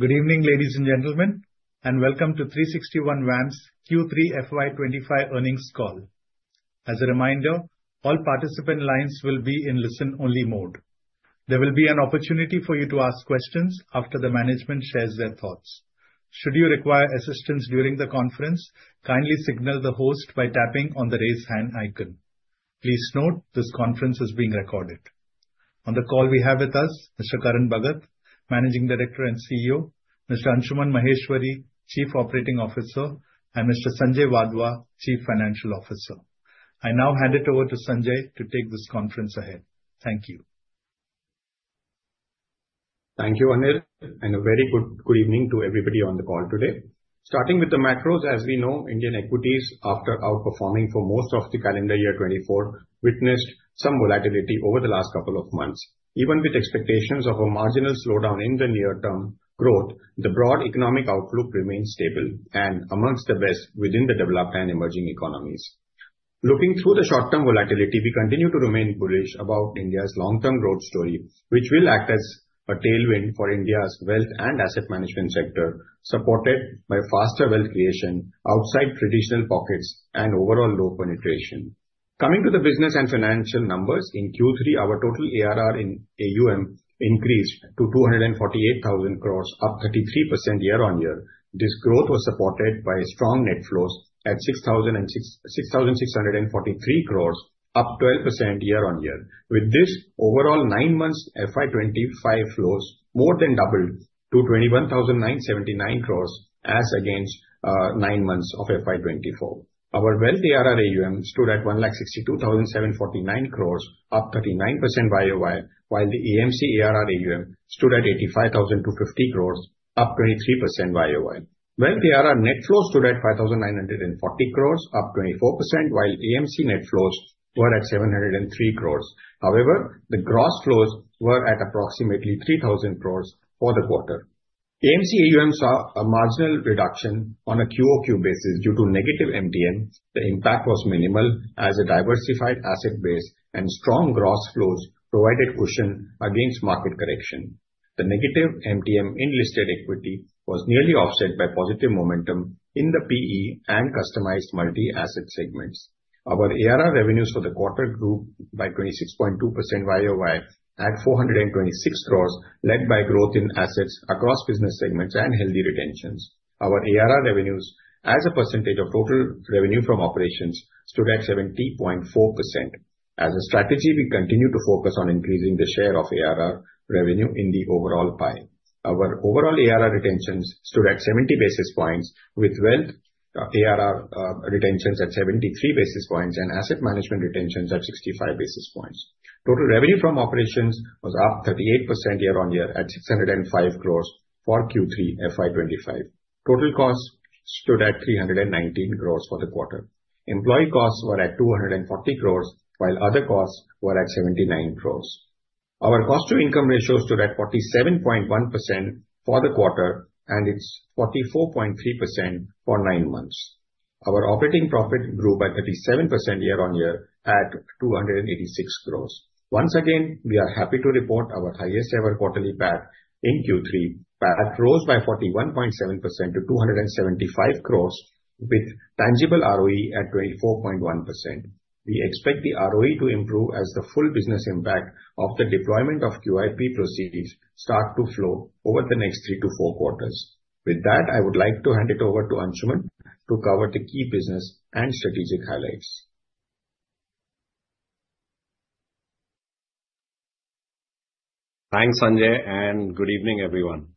Good evening, ladies and gentlemen, and welcome to 360 ONE WAM's Q3 FY 2025 earnings call. As a reminder, all participant lines will be in listen-only mode. There will be an opportunity for you to ask questions after the management shares their thoughts. Should you require assistance during the conference, kindly signal the host by tapping on the raise hand icon. Please note this conference is being recorded. On the call we have with us, Mr. Karan Bhagat, Managing Director and CEO, Mr. Anshuman Maheshwary, Chief Operating Officer, and Mr. Sanjay Wadhwa, Chief Financial Officer. I now hand it over to Sanjay to take this conference ahead. Thank you. Thank you, Anil, and a very good evening to everybody on the call today. Starting with the macros, as we know, Indian equities, after outperforming for most of the calendar year 2024, witnessed some volatility over the last couple of months. Even with expectations of a marginal slowdown in the near-term growth, the broad economic outlook remains stable and among the best within the developed and emerging economies. Looking through the short-term volatility, we continue to remain bullish about India's long-term growth story, which will act as a tailwind for India's wealth and asset management sector, supported by faster wealth creation outside traditional pockets and overall low penetration. Coming to the business and financial numbers, in Q3, our total ARR in AUM increased to 248,000 crores, up 33% year-on-year. This growth was supported by strong net flows at 6,643 crores, up 12% year-on-year. With this, overall nine months' FY 2025 flows more than doubled to 21,979 crores as against nine months of FY 2024. Our wealth ARR AUM stood at 162,749 crores, up 39% year-on-year, while the AMC ARR AUM stood at 85,250 crores, up 23% year-on-year. Wealth ARR net flows stood at 5,940 crores, up 24%, while AMC net flows were at 703 crores. However, the gross flows were at approximately 3,000 crores for the quarter. AMC AUM saw a marginal reduction on a Q-o-Q basis due to negative MTM. The impact was minimal as a diversified asset base and strong gross flows provided cushion against market correction. The negative MTM in listed equity was nearly offset by positive momentum in the PE and customized multi-asset segments. Our ARR revenues for the quarter grew by 26.2% Y-o-Y at 426 crores, led by growth in assets across business segments and healthy retentions. Our ARR revenues, as a percentage of total revenue from operations, stood at 70.4%. As a strategy, we continue to focus on increasing the share of ARR revenue in the overall pie. Our overall ARR retentions stood at 70 basis points, with wealth ARR retentions at 73 basis points and asset management retentions at 65 basis points. Total revenue from operations was up 38% year-on-year at 605 crores for Q3 FY 2025. Total costs stood at 319 crores for the quarter. Employee costs were at 240 crores, while other costs were at 79 crores. Our cost-to-income ratio stood at 47.1% for the quarter and it's 44.3% for nine months. Our operating profit grew by 37% year-on-year at 286 crores. Once again, we are happy to report our highest-ever quarterly PAT in Q3. PAT rose by 41.7% to 275 crores, with tangible ROE at 24.1%. We expect the ROE to improve as the full business impact of the deployment of QIP proceeds starts to flow over the next three to four quarters. With that, I would like to hand it over to Anshuman to cover the key business and strategic highlights. Thanks, Sanjay, and good evening, everyone.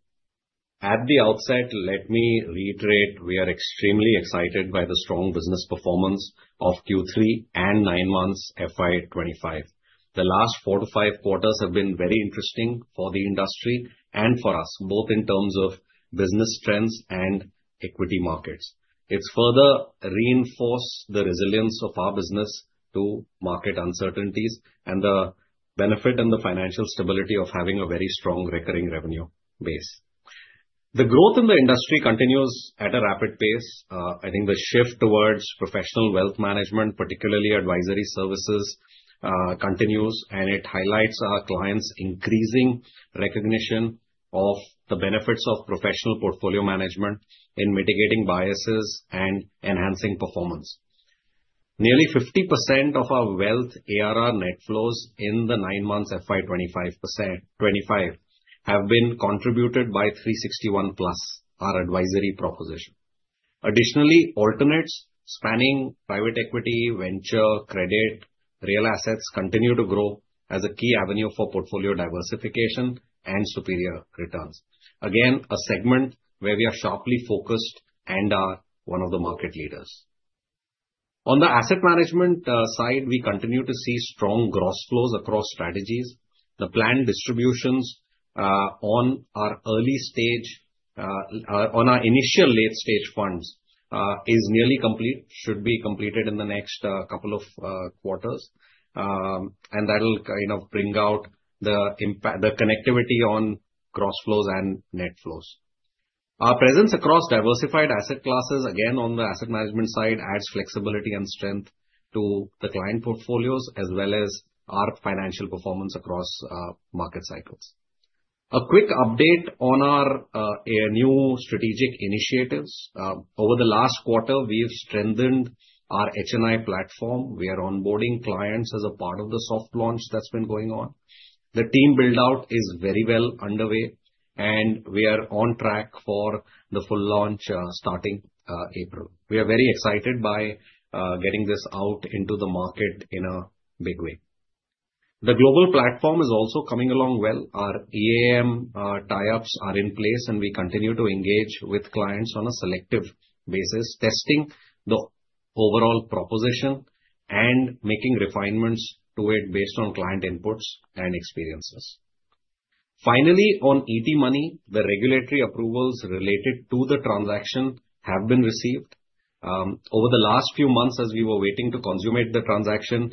At the outset, let me reiterate, we are extremely excited by the strong business performance of Q3 and nine months FY 2025. The last four to five quarters have been very interesting for the industry and for us, both in terms of business trends and equity markets. It further reinforces the resilience of our business to market uncertainties and the benefit and the financial stability of having a very strong recurring revenue base. The growth in the industry continues at a rapid pace. I think the shift towards professional wealth management, particularly advisory services, continues, and it highlights our clients' increasing recognition of the benefits of professional portfolio management in mitigating biases and enhancing performance. Nearly 50% of our wealth ARR net flows in the nine months FY 2025 have been contributed by 360 ONE Plus, our advisory proposition. Additionally, alternatives spanning private equity, venture, credit, and real assets continue to grow as a key avenue for portfolio diversification and superior returns. Again, a segment where we are sharply focused and are one of the market leaders. On the asset management side, we continue to see strong gross flows across strategies. The planned distributions on our early stage, on our initial late-stage funds, is nearly complete, should be completed in the next couple of quarters, and that will kind of bring out the connectivity on gross flows and net flows. Our presence across diversified asset classes, again, on the asset management side, adds flexibility and strength to the client portfolios, as well as our financial performance across market cycles. A quick update on our new strategic initiatives. Over the last quarter, we have strengthened our HNI platform. We are onboarding clients as a part of the soft launch that's been going on. The team build-out is very well underway, and we are on track for the full launch starting April. We are very excited by getting this out into the market in a big way. The global platform is also coming along well. Our EAM tie-ups are in place, and we continue to engage with clients on a selective basis, testing the overall proposition and making refinements to it based on client inputs and experiences. Finally, on ET Money, the regulatory approvals related to the transaction have been received. Over the last few months, as we were waiting to consummate the transaction,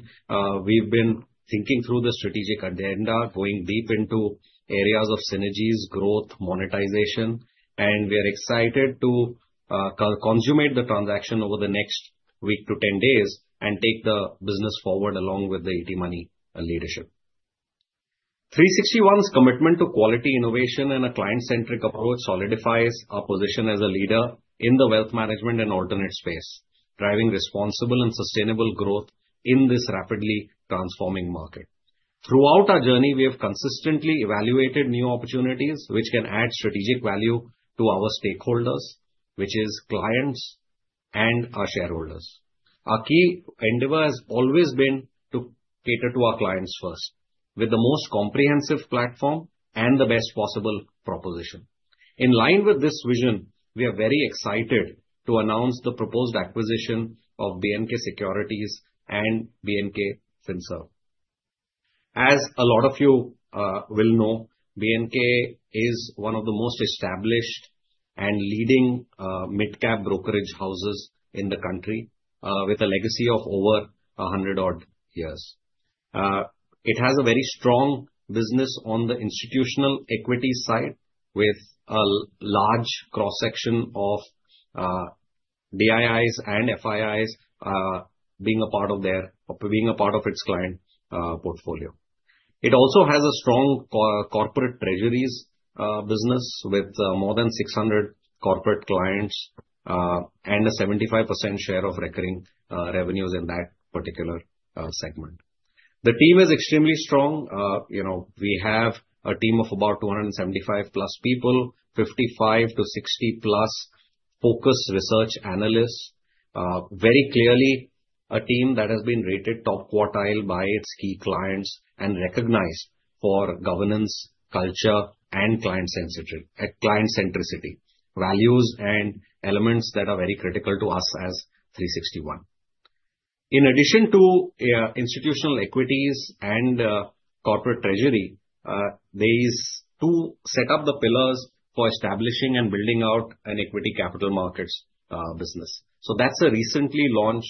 we've been thinking through the strategic agenda, going deep into areas of synergies, growth, monetization, and we are excited to consummate the transaction over the next week to 10 days and take the business forward along with the ET Money leadership. 360 ONE's commitment to quality, innovation, and a client-centric approach solidifies our position as a leader in the wealth management and alternate space, driving responsible and sustainable growth in this rapidly transforming market. Throughout our journey, we have consistently evaluated new opportunities which can add strategic value to our stakeholders, which are clients and our shareholders. Our key endeavor has always been to cater to our clients first, with the most comprehensive platform and the best possible proposition. In line with this vision, we are very excited to announce the proposed acquisition of B&K Securities and B&K Finserv. As a lot of you will know, B&K is one of the most established and leading mid-cap brokerage houses in the country, with a legacy of over 100-odd years. It has a very strong business on the institutional equity side, with a large cross-section of DIIs and FIIs being a part of its client portfolio. It also has a strong corporate treasuries business with more than 600 corporate clients and a 75% share of recurring revenues in that particular segment. The team is extremely strong. We have a team of about 275+ people, 55-60+ focused research analysts, very clearly a team that has been rated top quartile by its key clients and recognized for governance, culture, and client centricity, values, and elements that are very critical to us as 360 ONE. In addition to institutional equities and corporate treasury, these two set up the pillars for establishing and building out an equity capital markets business, so that's a recently launched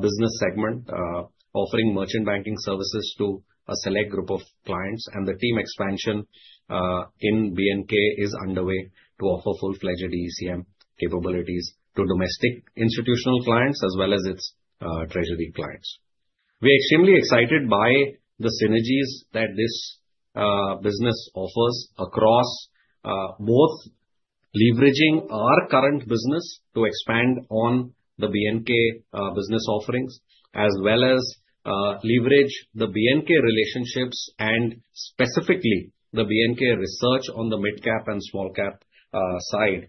business segment, offering merchant banking services to a select group of clients, and the team expansion in B&K is underway to offer full-fledged ECM capabilities to domestic institutional clients as well as its treasury clients. We are extremely excited by the synergies that this business offers across both leveraging our current business to expand on the B&K business offerings, as well as leverage the B&K relationships and specifically the B&K research on the mid-cap and small-cap side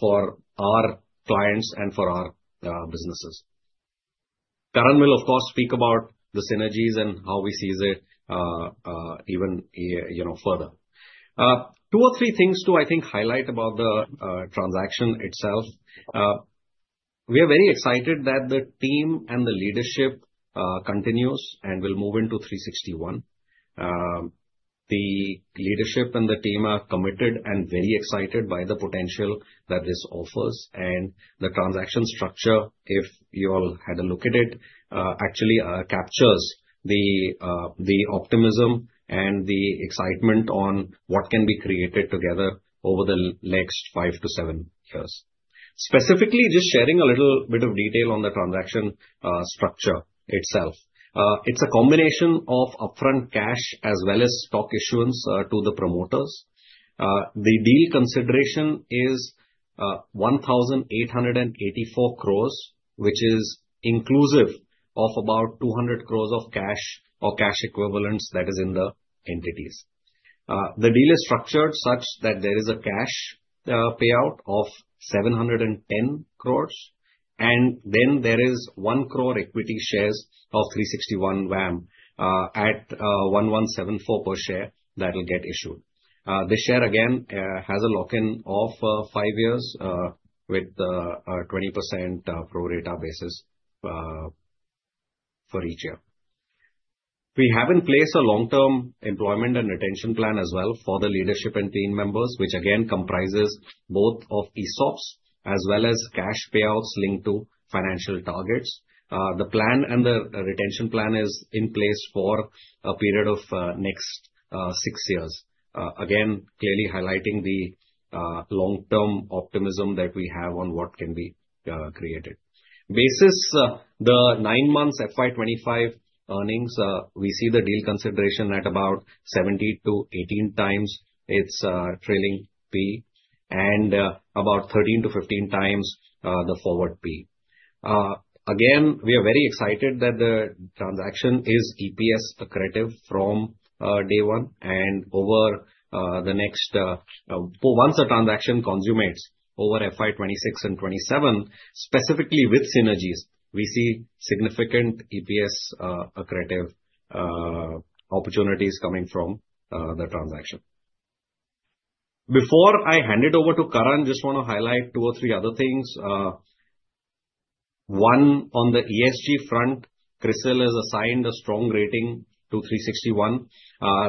for our clients and for our businesses. Karan will, of course, speak about the synergies and how we see it even further. Two or three things to, I think, highlight about the transaction itself. We are very excited that the team and the leadership continues and will move into 360 ONE. The leadership and the team are committed and very excited by the potential that this offers. And the transaction structure, if you all had a look at it, actually captures the optimism and the excitement on what can be created together over the next five to seven years. Specifically, just sharing a little bit of detail on the transaction structure itself. It's a combination of upfront cash as well as stock issuance to the promoters. The deal consideration is 1,884 crores, which is inclusive of about 200 crores of cash or cash equivalents that are in the entities. The deal is structured such that there is a cash payout of 710 crores, and then there is one crore equity shares of 360 ONE WAM at 1,174 per share that will get issued. The share, again, has a lock-in of five years with the 20% pro rata basis for each year. We have in place a long-term employment and retention plan as well for the leadership and team members, which again comprises both of ESOPs as well as cash payouts linked to financial targets. The plan and the retention plan is in place for a period of next six years, again, clearly highlighting the long-term optimism that we have on what can be created. Based on the nine months FY 2025 earnings, we see the deal consideration at about 17x-18x its trailing PE and about 13x-15x the forward PE. Again, we are very excited that the transaction is EPS accretive from day one and over the next once a transaction consummates over FY 2026 and 2027, specifically with synergies, we see significant EPS accretive opportunities coming from the transaction. Before I hand it over to Karan, I just want to highlight two or three other things. One, on the ESG front, CRISIL has assigned a strong rating to 360 ONE.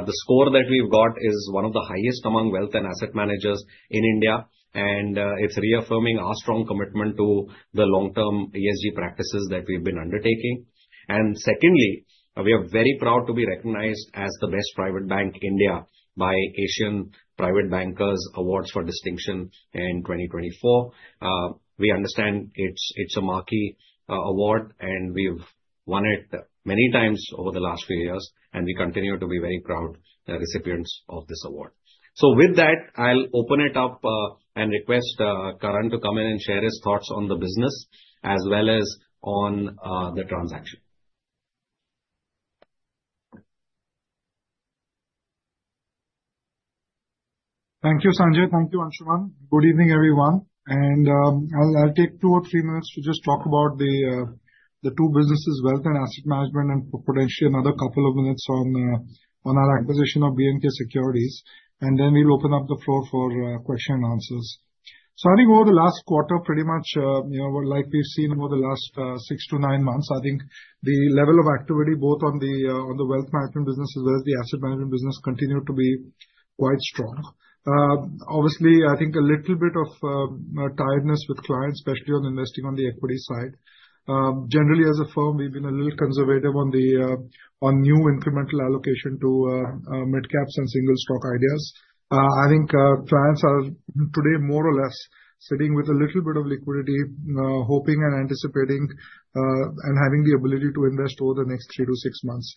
The score that we've got is one of the highest among wealth and asset managers in India, and it's reaffirming our strong commitment to the long-term ESG practices that we've been undertaking. And secondly, we are very proud to be recognized as the best private bank in India by Asian Private Banker Awards for Distinction in 2024. We understand it's a marquee award, and we've won it many times over the last few years, and we continue to be very proud recipients of this award. So with that, I'll open it up and request Karan to come in and share his thoughts on the business as well as on the transaction. Thank you, Sanjay. Thank you, Anshuman. Good evening, everyone. And I'll take two or three minutes to just talk about the two businesses, wealth and asset management, and potentially another couple of minutes on our acquisition of B&K Securities. And then we'll open up the floor for questions and answers. So I think over the last quarter, pretty much like we've seen over the last six to nine months, I think the level of activity both on the wealth management business as well as the asset management business continued to be quite strong. Obviously, I think a little bit of tiredness with clients, especially on investing on the equity side. Generally, as a firm, we've been a little conservative on the new incremental allocation to mid-caps and single stock ideas. I think clients are today more or less sitting with a little bit of liquidity, hoping and anticipating and having the ability to invest over the next three to six months.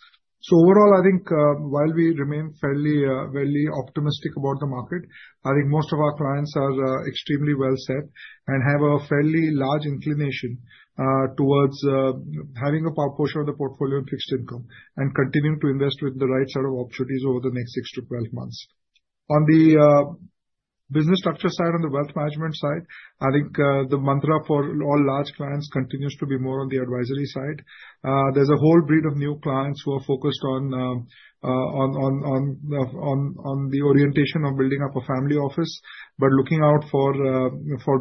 So overall, I think while we remain fairly optimistic about the market, I think most of our clients are extremely well set and have a fairly large inclination towards having a proportion of the portfolio in fixed income and continuing to invest with the right set of opportunities over the next six to 12 months. On the business structure side, on the wealth management side, I think the mantra for all large clients continues to be more on the advisory side. There's a whole breed of new clients who are focused on the orientation of building up a family office, but looking out for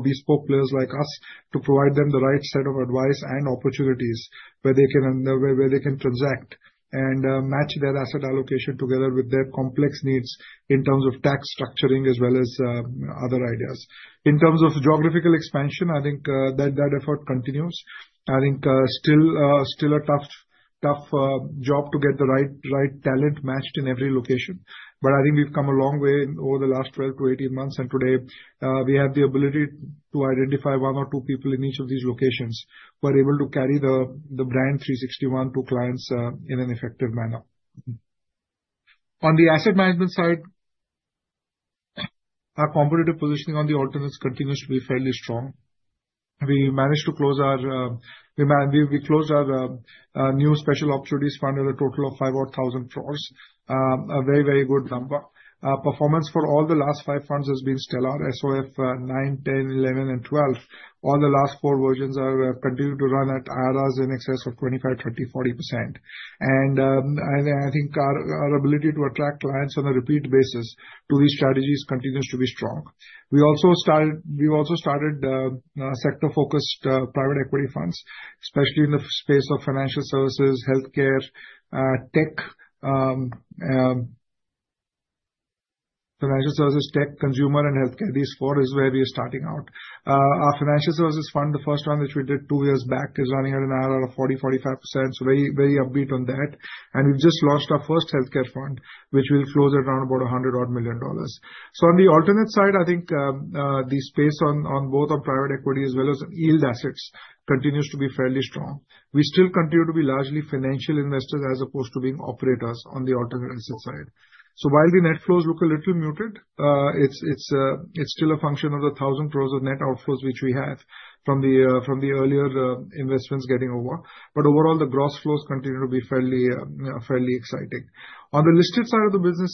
bespoke players like us to provide them the right set of advice and opportunities where they can transact and match their asset allocation together with their complex needs in terms of tax structuring as well as other ideas. In terms of geographical expansion, I think that effort continues. I think still a tough job to get the right talent matched in every location. But I think we've come a long way over the last 12-18 months, and today we have the ability to identify one or two people in each of these locations who are able to carry the brand 360 ONE to clients in an effective manner. On the asset management side, our competitive positioning on the alternates continues to be fairly strong. We managed to close our new special opportunities fund with a total of 500,000 crores, a very, very good number. Performance for all the last five funds has been stellar. SOF 9, 10, 11, and 12, all the last four versions have continued to run at IRRs in excess of 25%, 30%, 40%. And I think our ability to attract clients on a repeat basis to these strategies continues to be strong. We also started sector-focused private equity funds, especially in the space of financial services, healthcare, tech, financial services, tech, consumer, and healthcare. These four is where we are starting out. Our financial services fund, the first one which we did two years back, is running at an IRR of 40%-45%. So very upbeat on that. And we've just launched our first healthcare fund, which will close at around about $100 million. On the alternate side, I think the space on both private equity as well as yield assets continues to be fairly strong. We still continue to be largely financial investors as opposed to being operators on the alternate asset side. While the net flows look a little muted, it's still a function of the 1,000 crores of net outflows which we have from the earlier investments getting over. But overall, the gross flows continue to be fairly exciting. On the listed side of the business,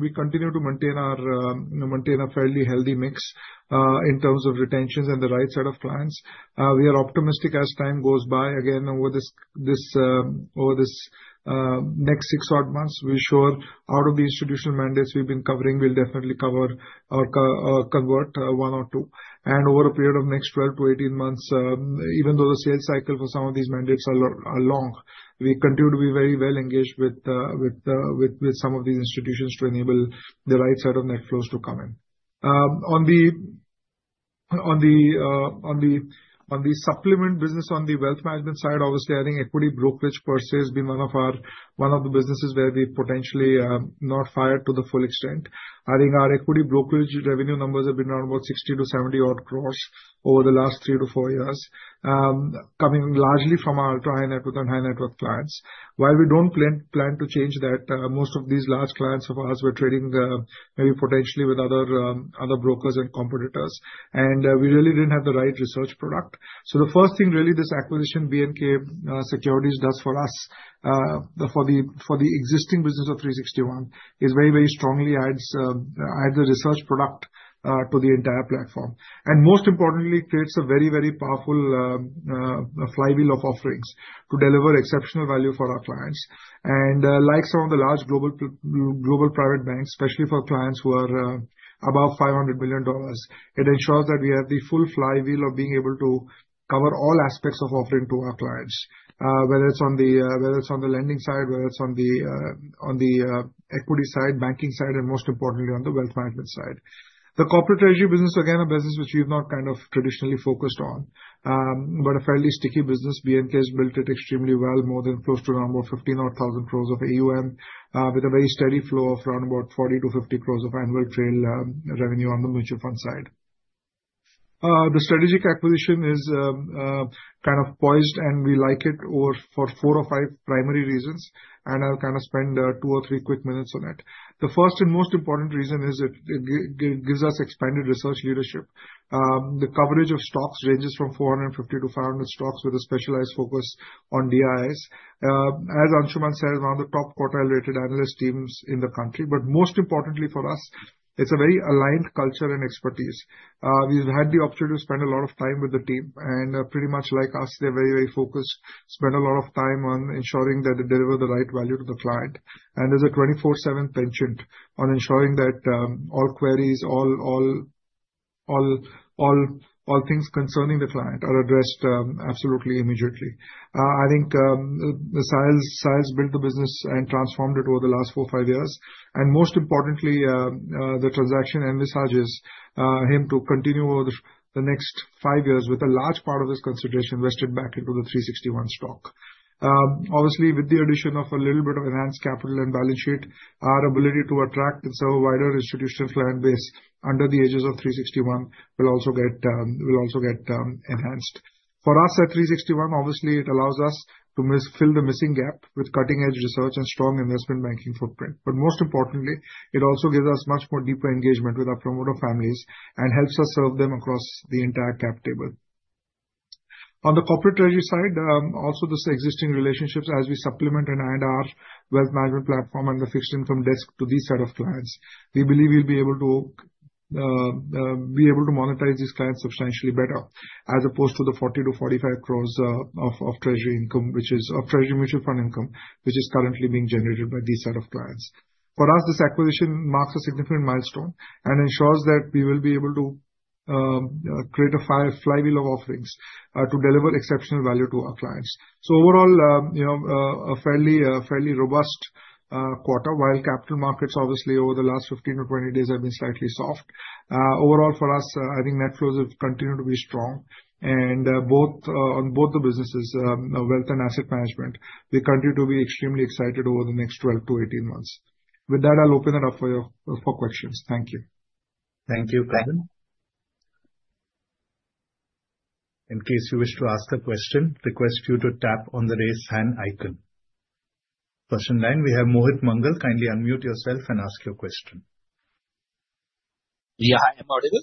we continue to maintain a fairly healthy mix in terms of retentions and the right set of clients. We are optimistic as time goes by. Again, over this next six-odd months, we're sure out of the institutional mandates we've been covering, we'll definitely cover or convert one or two. And over a period of next 12-18 months, even though the sales cycle for some of these mandates are long, we continue to be very well engaged with some of these institutions to enable the right set of net flows to come in. On the supplement business on the wealth management side, obviously, I think equity brokerage per se has been one of the businesses where we've potentially not firing on all cylinders. I think our equity brokerage revenue numbers have been around about 60-70-odd crores over the last three to four years, coming largely from our ultra-high net worth and high net worth clients. While we don't plan to change that, most of these large clients of ours were trading maybe potentially with other brokers and competitors. And we really didn't have the right research product. So the first thing, really, this acquisition of B&K Securities does for us, for the existing business of 360 ONE, is very, very strongly add the research product to the entire platform. And most importantly, it creates a very, very powerful flywheel of offerings to deliver exceptional value for our clients. And like some of the large global private banks, especially for clients who are above $500 billion, it ensures that we have the full flywheel of being able to cover all aspects of offerings to our clients, whether it's on the lending side, whether it's on the equity side, banking side, and most importantly, on the wealth management side. The corporate treasury business, again, a business which we've not kind of traditionally focused on, but a fairly sticky business. B&K has built it extremely well, more than close to around about 15,000 or 1,000 crores of AUM, with a very steady flow of around about 40-50 crores of annual trail revenue on the mutual fund side. The strategic acquisition is kind of poised, and we like it for four or five primary reasons, and I'll kind of spend two or three quick minutes on it. The first and most important reason is it gives us expanded research leadership. The coverage of stocks ranges from 450-500 stocks with a specialized focus on DIIs. As Anshuman said, one of the top quartile-rated analyst teams in the country. But most importantly for us, it's a very aligned culture and expertise. We've had the opportunity to spend a lot of time with the team. And pretty much like us, they're very, very focused, spend a lot of time on ensuring that they deliver the right value to the client. And there's a 24/7 penchant on ensuring that all queries, all things concerning the client are addressed absolutely immediately. I think Shailesh built the business and transformed it over the last four, five years. And most importantly, the transaction envisages him to continue over the next five years with a large part of his consideration vested back into the 360 ONE stock. Obviously, with the addition of a little bit of enhanced capital and balance sheet, our ability to attract and serve a wider institutional client base under the aegis of 360 ONE will also get enhanced. For us at 360 ONE, obviously, it allows us to fill the missing gap with cutting-edge research and strong investment banking footprint. But most importantly, it also gives us much more deeper engagement with our promoter families and helps us serve them across the entire cap table. On the corporate treasury side, also this existing relationships as we supplement and add our wealth management platform and the fixed income desk to these set of clients. We believe we'll be able to monetize these clients substantially better as opposed to the 40- 45 crores of treasury income, which is of treasury mutual fund income, which is currently being generated by these set of clients. For us, this acquisition marks a significant milestone and ensures that we will be able to create a flywheel of offerings to deliver exceptional value to our clients. So overall, a fairly robust quarter, while capital markets obviously over the last 15-20 days have been slightly soft. Overall, for us, I think net flows have continued to be strong, and on both the businesses, wealth and asset management, we continue to be extremely excited over the next 12-18 months. With that, I'll open it up for your questions. Thank you. Thank you, Karan. In case you wish to ask a question, request you to tap on the raise hand icon. Question nine, we have Mohit Mangal. Kindly unmute yourself and ask your question. Yeah, I am audible.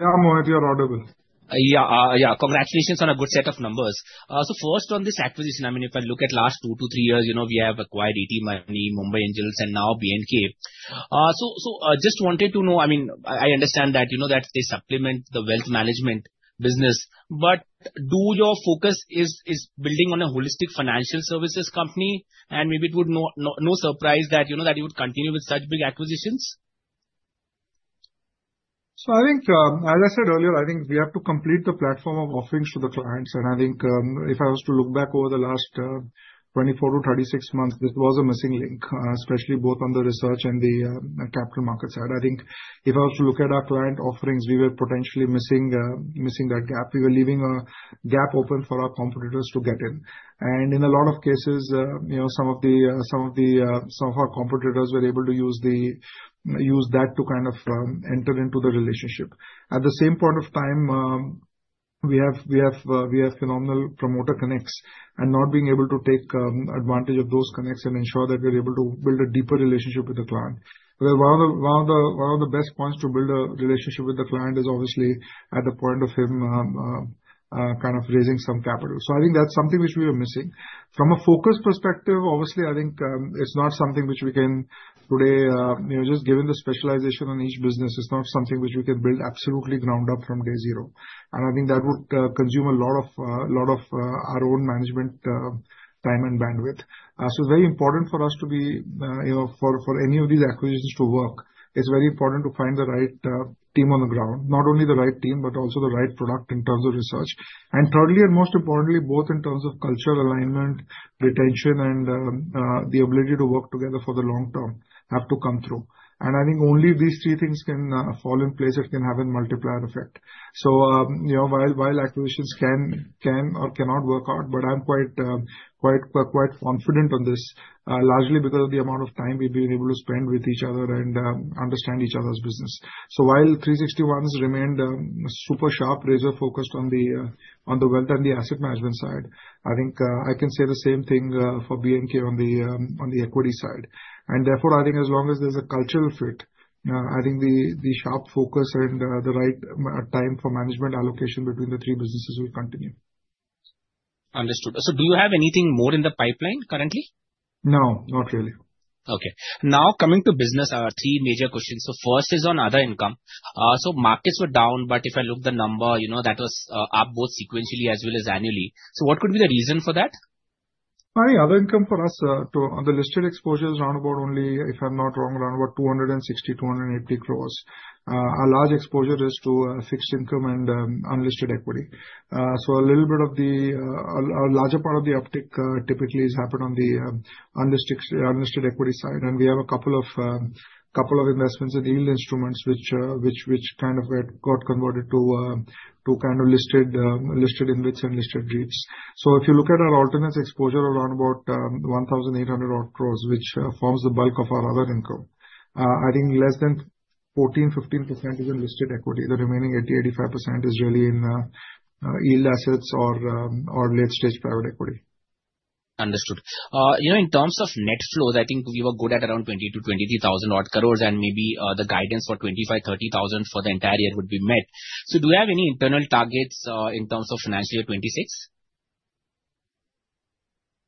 Yeah, Mohit, you're audible. Yeah, congratulations on a good set of numbers. So first on this acquisition, I mean, if I look at last two to three years, we have acquired ET Money, Mumbai Angels, and now B&K. So just wanted to know, I mean, I understand that they supplement the wealth management business, but do your focus is building on a holistic financial services company? And maybe it would be no surprise that you would continue with such big acquisitions. I think, as I said earlier, I think we have to complete the platform of offerings to the clients. And I think if I was to look back over the last 24-36 months, this was a missing link, especially both on the research and the capital market side. I think if I was to look at our client offerings, we were potentially missing that gap. We were leaving a gap open for our competitors to get in. And in a lot of cases, some of our competitors were able to use that to kind of enter into the relationship. At the same point of time, we have phenomenal promoter connects and not being able to take advantage of those connects and ensure that we're able to build a deeper relationship with the client. One of the best points to build a relationship with the client is obviously at the point of him kind of raising some capital, so I think that's something which we are missing from a focus perspective. Obviously, I think it's not something which we can today just given the specialization on each business, it's not something which we can build absolutely ground up from day zero, and I think that would consume a lot of our own management time and bandwidth, so it's very important for us to be for any of these acquisitions to work. It's very important to find the right team on the ground, not only the right team, but also the right product in terms of research, and thirdly, and most importantly, both in terms of cultural alignment, retention, and the ability to work together for the long term have to come through. I think only these three things can fall in place that can have a multiplier effect. So while acquisitions can or cannot work out, but I'm quite confident on this, largely because of the amount of time we've been able to spend with each other and understand each other's business. So while 360 ONE has remained a super sharp razor focused on the wealth and the asset management side, I think I can say the same thing for B&K on the equity side. Therefore, I think as long as there's a cultural fit, I think the sharp focus and the right time for management allocation between the three businesses will continue. Understood. So do you have anything more in the pipeline currently? No, not really. Okay. Now coming to business, our three major questions. So first is on other income. So markets were down, but if I look at the number, that was up both sequentially as well as annually. So what could be the reason for that? I think other income for us, the listed exposure is around about only, if I'm not wrong, around about 260-280 crores. Our large exposure is to fixed income and unlisted equity. So a little bit of the larger part of the uptick typically has happened on the unlisted equity side. And we have a couple of investments in yield instruments which kind of got converted to kind of listed InvITs and listed REITs. So if you look at our alternatives exposure, around about 1,800 odd crores, which forms the bulk of our other income. I think less than 14%-15% is in listed equity. The remaining 80%-85% is really in yield assets or late-stage private equity. Understood. In terms of net flows, I think we were good at around 20,000- 23,000 odd crores, and maybe the guidance for 25,000- 30,000 for the entire year would be met. So do you have any internal targets in terms of financial year 2026?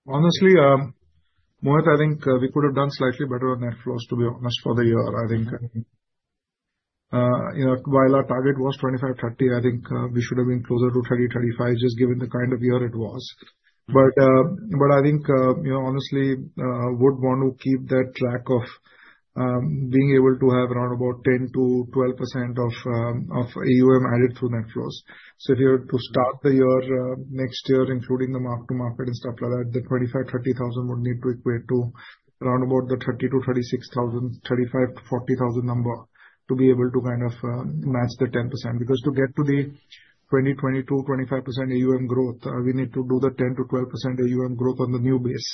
Honestly, Mohit, I think we could have done slightly better on net flows, to be honest, for the year, I think. While our target was 25-30, I think we should have been closer to 30-35, just given the kind of year it was. But I think, honestly, would want to keep that track of being able to have around about 10%-12% of AUM added through net flows. So if you were to start the year next year, including the mark-to-market and stuff like that, the 25,000-30,000 would need to equate to around about the 30,000-36,000, 35,000-40,000 number to be able to kind of match the 10%. Because to get to the 20%, 22%, 25% AUM growth, we need to do the 10%-12% AUM growth on the new base.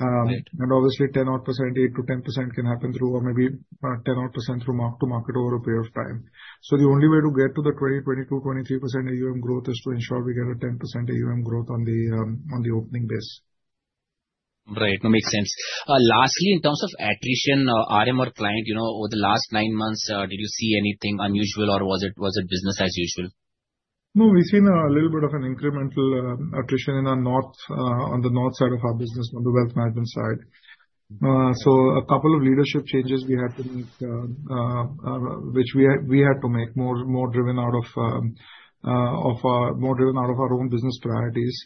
Obviously, 10%, can happen through, or maybe 10-odd% through mark-to-market over a period of time. The only way to get to the 20%, 22%, 23% AUM growth is to ensure we get a 10% AUM growth on the opening base. Right. Makes sense. Lastly, in terms of attrition, RMR client, over the last nine months, did you see anything unusual or was it business as usual? No, we've seen a little bit of an incremental attrition on the north side of our business, on the wealth management side. So a couple of leadership changes we had to make, which we had to make more driven out of our own business priorities.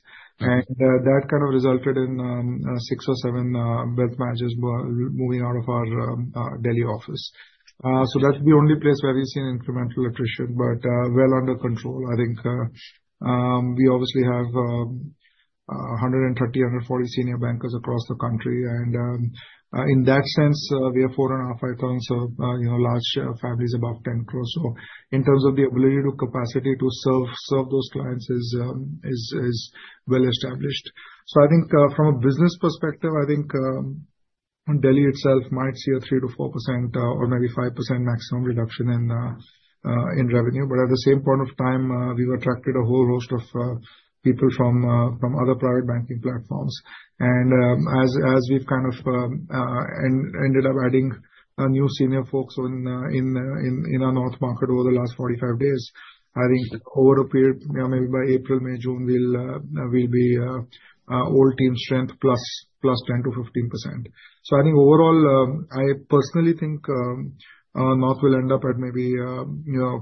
And that kind of resulted in six or seven wealth managers moving out of our Delhi office. So that's the only place where we've seen incremental attrition, but well under control. I think we obviously have 130, 140 senior bankers across the country. And in that sense, we have four and a half, five thousand large families above 10 crores. So in terms of the ability to capacity to serve those clients is well established. So I think from a business perspective, I think Delhi itself might see a 3%-4% or maybe 5% maximum reduction in revenue. But at the same point of time, we've attracted a whole host of people from other private banking platforms. And as we've kind of ended up adding new senior folks in our North market over the last 45 days, I think over a period, maybe by April, May, June, we'll be old team strength plus 10%-15%. So I think overall, I personally think North will end up at maybe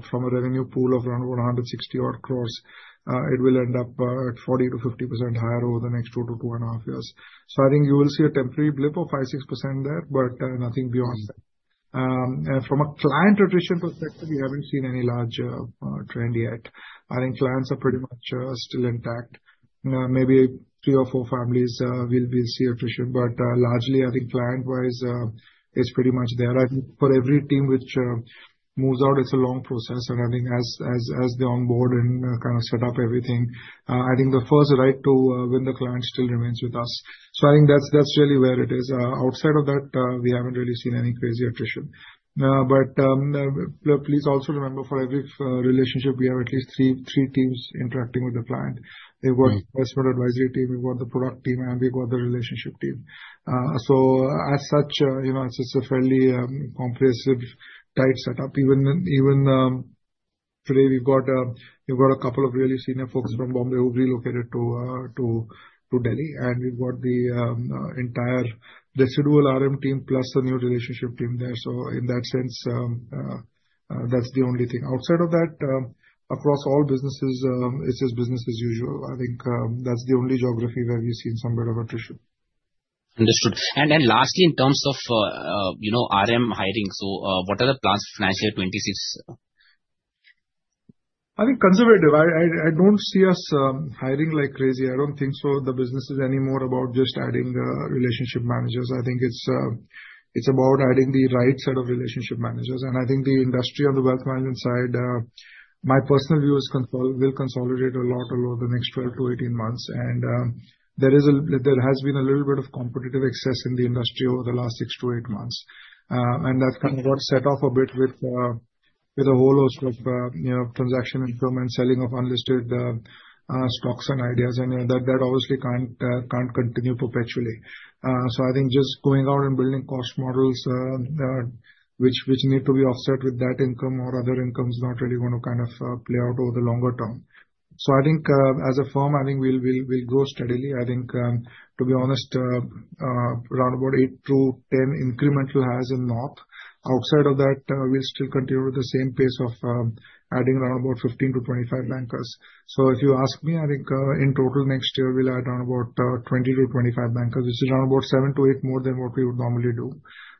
from a revenue pool of around 160 crores, it will end up at 40%-50% higher over the next two to two and a half years. So I think you will see a temporary blip of 5%-6% there, but nothing beyond that. From a client attrition perspective, we haven't seen any large trend yet. I think clients are pretty much still intact. Maybe three or four families will see attrition. But largely, I think client-wise, it's pretty much there. I think for every team which moves out, it's a long process. And I think as they onboard and kind of set up everything, I think the first right to win the client still remains with us. So I think that's really where it is. Outside of that, we haven't really seen any crazy attrition. But please also remember for every relationship, we have at least three teams interacting with the client. We've got the investment advisory team, we've got the product team, and we've got the relationship team. So as such, it's a fairly comprehensive tight setup. Even today, we've got a couple of really senior folks from Mumbai who've relocated to Delhi. And we've got the entire residual RM team plus the new relationship team there. So in that sense, that's the only thing. Outside of that, across all businesses, it's just business as usual. I think that's the only geography where we've seen some bit of attrition. Understood, and then lastly, in terms of RM hiring, so what are the plans for financial year 2026? I think conservative. I don't see us hiring like crazy. I don't think so, the business is anymore about just adding relationship managers. I think it's about adding the right set of relationship managers, and I think the industry on the wealth management side, my personal view is, will consolidate a lot over the next 12-18 months, and there has been a little bit of competitive excess in the industry over the last six to eight months, and that's kind of got set off a bit with a whole host of transaction income and selling of unlisted stocks and equities, and that obviously can't continue perpetually, so I think just going out and building cost models which need to be offset with that income or other income is not really going to kind of play out over the longer term. So I think as a firm, I think we'll grow steadily. I think, to be honest, around about eight-10 incremental hires in North. Outside of that, we'll still continue with the same pace of adding around about 15-25 bankers. So if you ask me, I think in total next year, we'll add around about 20-25 bankers, which is around about seven to eight more than what we would normally do,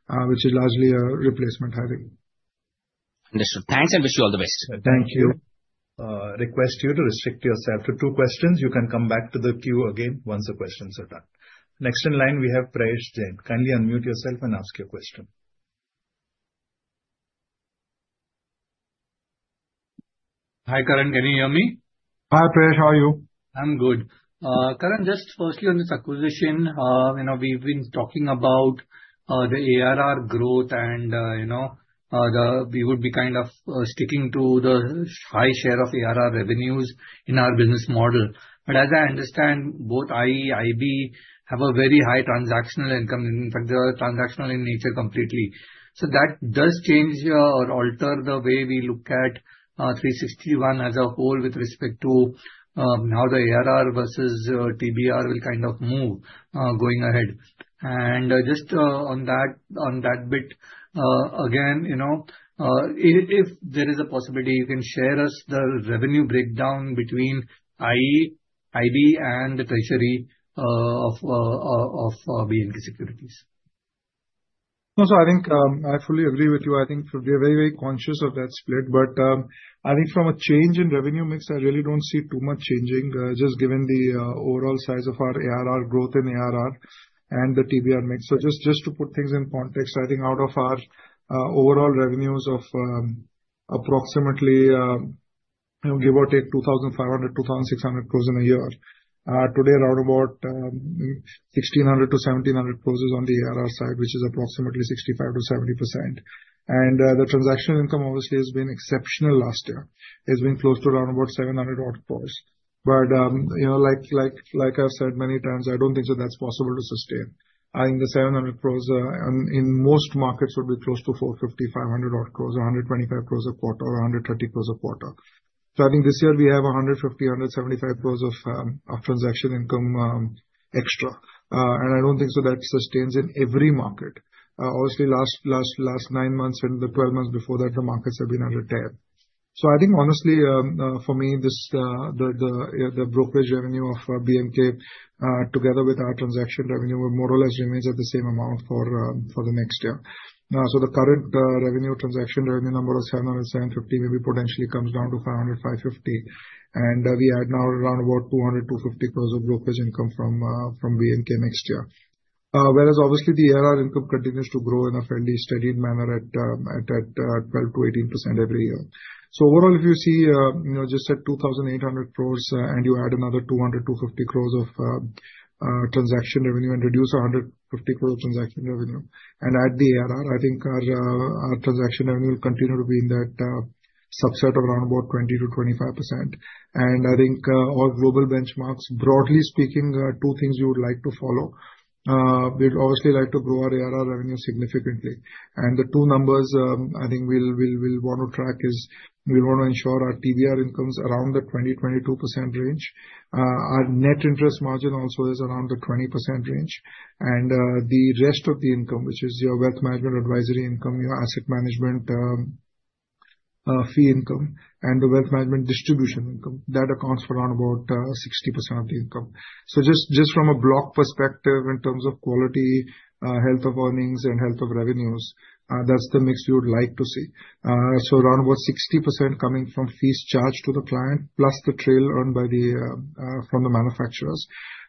which is largely a replacement hiring. Understood. Thanks, and wish you all the best. Thank you. Request you to restrict yourself to two questions. You can come back to the queue again once the questions are done. Next in line, we have Prayesh Jain. Kindly unmute yourself and ask your question. Hi, Karan. Can you hear me? Hi, Prayesh. How are you? I'm good. Karan, just firstly on this acquisition, we've been talking about the ARR growth, and we would be kind of sticking to the high share of ARR revenues in our business model. But as I understand, both IE, IB have a very high transactional income. In fact, they are transactional in nature completely. So that does change or alter the way we look at 360 ONE as a whole with respect to how the ARR versus TBR will kind of move going ahead. And just on that bit, again, if there is a possibility, you can share us the revenue breakdown between IE, IB, and the treasury of B&K Securities. No, so I think I fully agree with you. I think we're very, very conscious of that split, but I think from a change in revenue mix, I really don't see too much changing, just given the overall size of our ARR growth in ARR and the TBR mix. So just to put things in context, I think out of our overall revenues of approximately, give or take, 2,500-2,600 crores in a year, today, around about 1,600-1,700 crores is on the ARR side, which is approximately 65%-70%. And the transactional income obviously has been exceptional last year, it's been close to around about 700-odd crores, but like I've said many times, I don't think so that's possible to sustain. I think the 700 crores in most markets would be close to 450-500 crore, or 125 crore a quarter, or 130 crore a quarter. So I think this year we have 150-175 crore of transaction income extra. And I don't think so that sustains in every market. Obviously, last nine months and the 12 months before that, the markets have been under 10. So I think honestly, for me, the brokerage revenue of B&K together with our transaction revenue more or less remains at the same amount for the next year. So the current revenue transaction revenue number of 700-750 crore maybe potentially comes down to 500- 550 crore. And we add now around about 200- 250 crore of brokerage income from B&K next year. Whereas obviously the ARR income continues to grow in a fairly steady manner at 12%-18% every year. So overall, if you see just at 2,800 crores and you add another 200-250 crores of transaction revenue and reduce 150 crores of transaction revenue and add the ARR, I think our transaction revenue will continue to be in that subset of around about 20%-25%. And I think our global benchmarks, broadly speaking, two things we would like to follow. We'd obviously like to grow our ARR revenue significantly. And the two numbers I think we'll want to track is we want to ensure our TBR income is around the 20%-22% range. Our net interest margin also is around the 20% range. And the rest of the income, which is your wealth management advisory income, your asset management fee income, and the wealth management distribution income, that accounts for around about 60% of the income. So just from a block perspective in terms of quality, health of earnings, and health of revenues, that's the mix we would like to see. So around about 60% coming from fees charged to the client plus the trail earned by the manufacturers,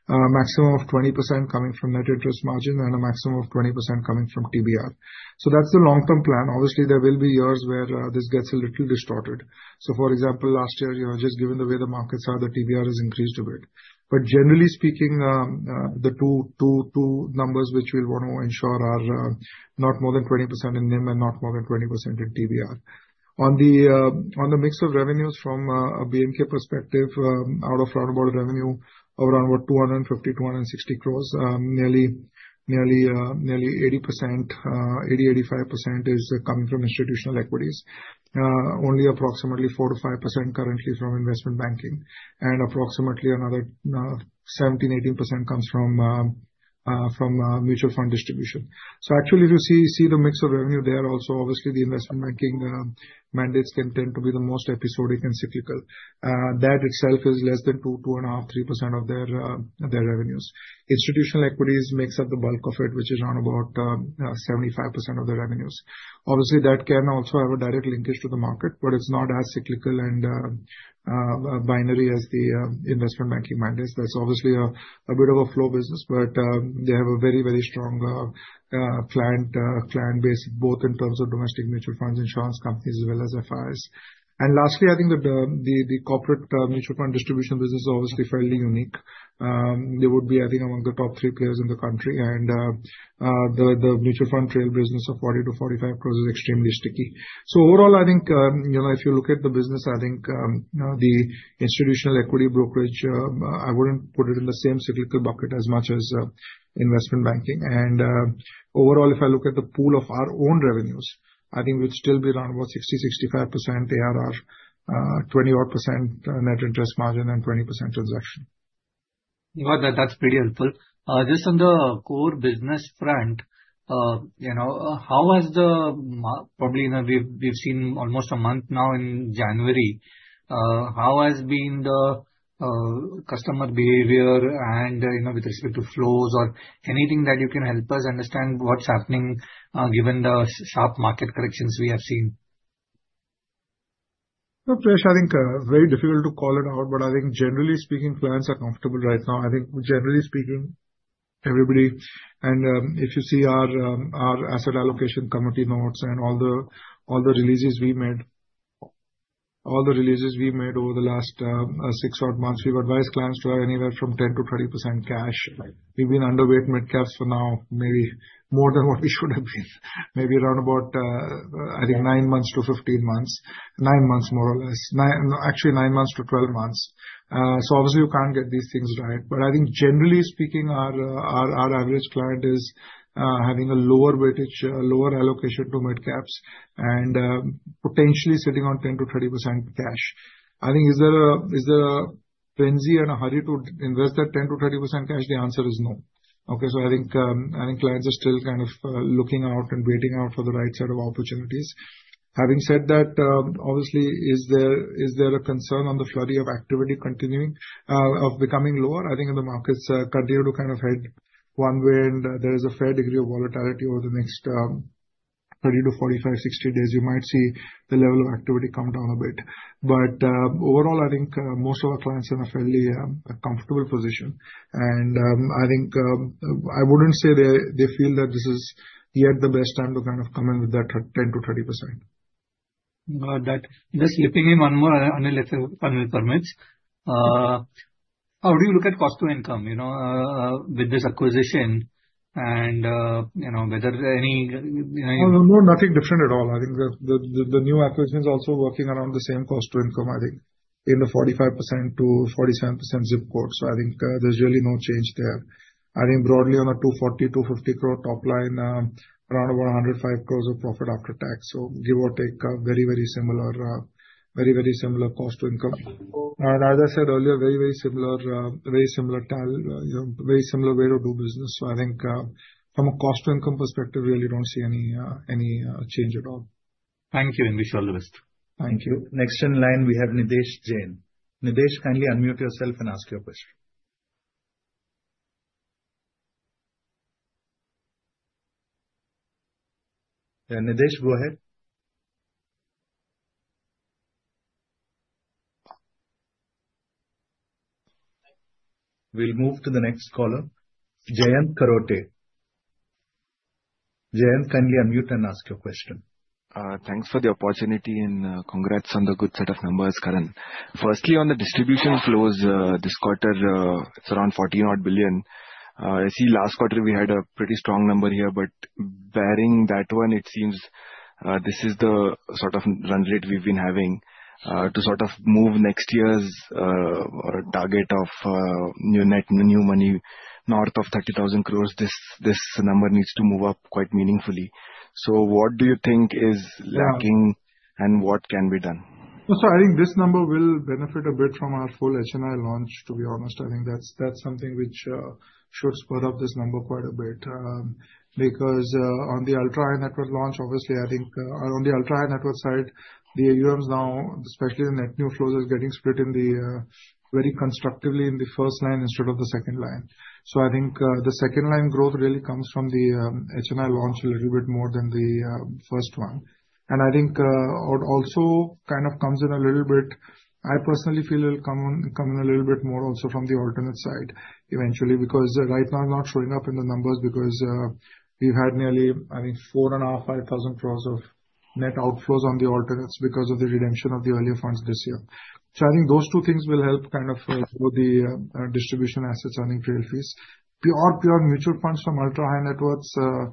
maximum of 20% coming from net interest margin, and a maximum of 20% coming from TBR. So that's the long-term plan. Obviously, there will be years where this gets a little distorted. So for example, last year, just given the way the markets are, the TBR has increased a bit. But generally speaking, the two numbers which we'll want to ensure are not more than 20% in NIM and not more than 20% in TBR. On the mix of revenues from a B&K perspective, out of roundabout revenue, around about 250-INTR 260 crores, nearly 80%-85% is coming from institutional equities. Only approximately 4%-5% currently from investment banking. And approximately another 17%-18% comes from mutual fund distribution. So actually, if you see the mix of revenue there also, obviously the investment banking mandates can tend to be the most episodic and cyclical. That itself is less than 2%, 2.5%, 3% of their revenues. Institutional equities makes up the bulk of it, which is around about 75% of their revenues. Obviously, that can also have a direct linkage to the market, but it's not as cyclical and binary as the investment banking mandates. That's obviously a bit of a flow business, but they have a very, very strong client base, both in terms of domestic mutual funds, insurance companies, as well as FIIs. And lastly, I think the corporate mutual fund distribution business is obviously fairly unique. They would be, I think, among the top three players in the country. And the mutual fund trail business of 40-45 crores is extremely sticky. So overall, I think if you look at the business, I think the institutional equity brokerage, I wouldn't put it in the same cyclical bucket as much as investment banking. And overall, if I look at the pool of our own revenues, I think we'd still be around about 60%-65% ARR, 20-odd% net interest margin, and 20% transaction. That's pretty helpful. Just on the core business front, how has the probably we've seen almost a month now in January, how has been the customer behavior and with respect to flows or anything that you can help us understand what's happening given the sharp market corrections we have seen? Prash, I think very difficult to call it out, but I think generally speaking, clients are comfortable right now. I think generally speaking, everybody. And if you see our asset allocation committee notes and all the releases we made, all the releases we made over the last six odd months, we've advised clients to have anywhere from 10%-20% cash. We've been underweight midcaps for now, maybe more than what we should have been, maybe around about, I think, 9 months-15 months, 9 months more or less, actually 9 months-12 months. So obviously, you can't get these things right. But I think generally speaking, our average client is having a lower weightage, lower allocation to midcaps, and potentially sitting on 10%-20% cash. I think, is there a frenzy and a hurry to invest that 10%-20% cash? The answer is no. Okay, so I think clients are still kind of looking out and waiting out for the right set of opportunities. Having said that, obviously, is there a concern on the flurry of activity continuing of becoming lower? I think in the markets, continue to kind of head one way, and there is a fair degree of volatility over the next 30 to 45, 60 days, you might see the level of activity come down a bit. But overall, I think most of our clients are in a fairly comfortable position, and I think I wouldn't say they feel that this is yet the best time to kind of come in with that 10%-20%. Just leaping in one more, Anil, if Anil permits. How do you look at cost to income with this acquisition and whether any? No, nothing different at all. I think the new acquisition is also working around the same cost to income, I think, in the 45%-47% zip code. So I think there's really no change there. I think broadly on a 240-250 crore top line, around about 105 crores of profit after tax. So give or take a very, very similar, very, very similar cost to income. And as I said earlier, very, very similar, very similar talent, very similar way to do business. So I think from a cost to income perspective, really don't see any change at all. Thank you, and wish you all the best. Thank you. Next in line, we have Nitesh Jain. Nitesh, kindly unmute yourself and ask your question. Nitesh, go ahead. We'll move to the next caller, Jayant Kharote. Jayant, kindly unmute and ask your question. Thanks for the opportunity and congrats on the good set of numbers, Karan. Firstly, on the distribution flows this quarter, it's around 40-odd billion. I see last quarter we had a pretty strong number here, but barring that one, it seems this is the sort of run rate we've been having to sort of move next year's target of new money North of 30,000 crores. This number needs to move up quite meaningfully. So what do you think is lacking and what can be done? So I think this number will benefit a bit from our full HNI launch, to be honest. I think that's something which should spur up this number quite a bit because on the Ultra High Net Worth launch, obviously, I think on the Ultra High Net Worth side, the AUMs now, especially the net new flows, are getting split very constructively in the first line instead of the second line. So I think the second line growth really comes from the HNI launch a little bit more than the first one. I think it also kind of comes in a little bit. I personally feel it will come in a little bit more also from the alternate side eventually because right now I'm not showing up in the numbers because we've had nearly, I think, 4,500-5,000 crores of net outflows on the alternates because of the redemption of the earlier funds this year. So I think those two things will help kind of the distribution assets earning trail fees. Pure mutual funds from Ultra High Net Worth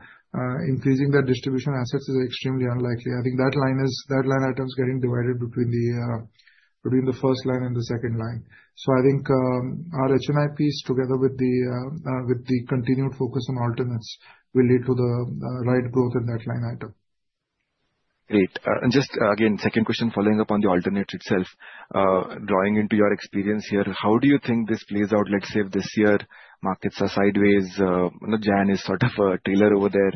increasing their distribution assets is extremely unlikely. I think that line item is getting divided between the first line and the second line. So I think our HNI piece together with the continued focus on alternates will lead to the right growth in that line item. Great. And just again, second question following up on the alternatives themselves, drawing into your experience here, how do you think this plays out? Let's say if this year markets are sideways, and it's sort of a tailwind over there.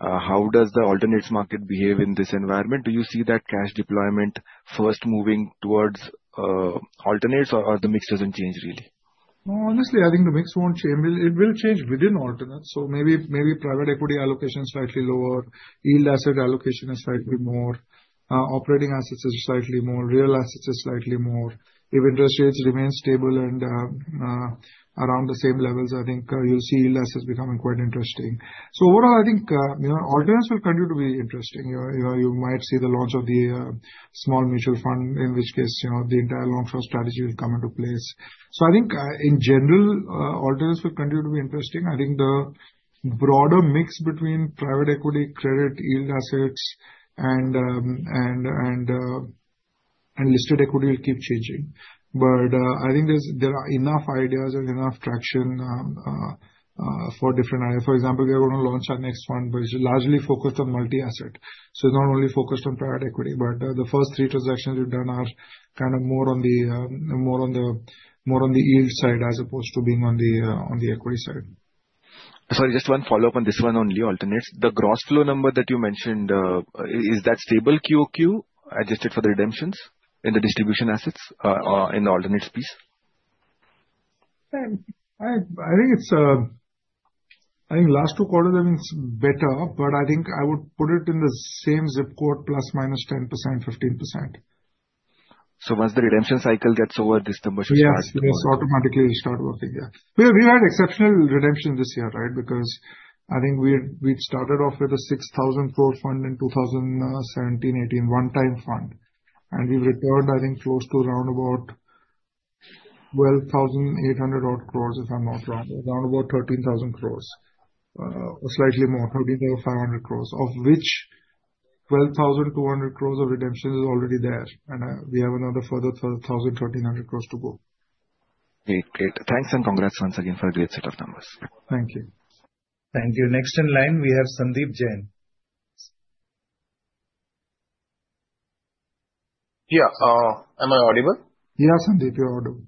How does the alternatives market behave in this environment? Do you see that cash deployment first moving towards alternatives or the mix doesn't change really? Honestly, I think the mix won't change. It will change within alternatives. So maybe private equity allocation is slightly lower, yield asset allocation is slightly more, operating assets are slightly more, real assets are slightly more. If interest rates remain stable and around the same levels, I think you'll see yield assets becoming quite interesting. So overall, I think alternatives will continue to be interesting. You might see the launch of the small mutual fund, in which case the entire long-short strategy will come into place. So I think in general, alternatives will continue to be interesting. I think the broader mix between private equity, credit, yield assets, and listed equity will keep changing. But I think there are enough ideas and enough traction for different areas. For example, we are going to launch our next fund, which is largely focused on multi-asset. So it's not only focused on private equity, but the first three transactions we've done are kind of more on the yield side as opposed to being on the equity side. Sorry, just one follow-up on this one only, alternates. The gross flow number that you mentioned, is that stable Q-o-Q adjusted for the redemptions in the distribution assets in the alternates piece? I think last two quarters have been better, but I think I would put it in the same zip code, ±10%, ±15%. So once the redemption cycle gets over, this number should start. Yes, yes, automatically it will start working. Yeah. We've had exceptional redemption this year, right? Because I think we'd started off with a 6,000 crore fund in 2017, 2018, one-time fund. And we've returned, I think, close to around about 12,800 crores, if I'm not wrong, around about 13,000 crores, or slightly more, 13,500 crores, of which 12,200 crores of redemption is already there. And we have another further 1,300 crores to go. Great. Great. Thanks and congrats once again for a great set of numbers. Thank you. Thank you. Next in line, we have Sandeep Jain. Yeah. Am I audible? Yeah, Sandeep, you're audible.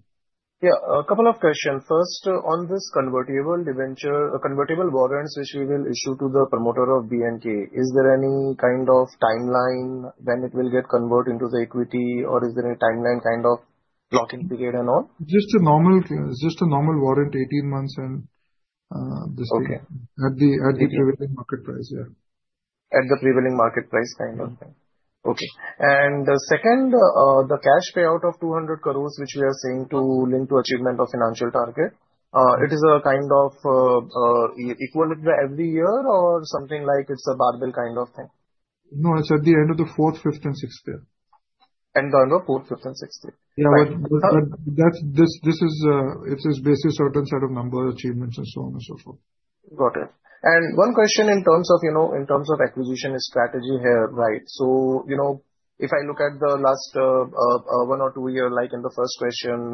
Yeah. A couple of questions. First, on this convertible warrants which we will issue to the promoter of B&K, is there any kind of timeline when it will get converted into the equity, or is there a timeline kind of lock-in period and all? Just a normal warrant, 18 months and this thing at the prevailing market price, yeah. At the prevailing market price kind of thing. Okay. And second, the cash payout of 200 crores which we are saying to link to achievement of financial target, it is a kind of equal every year or something like it's a barbell kind of thing? No, it's at the end of the fourth, fifth, and sixth year. End of fourth, fifth, and sixth year. Yeah, but this is if there's basis, certain set of number achievements and so on and so forth. Got it. And one question in terms of acquisition strategy here, right? So if I look at the last one or two years, like in the first question,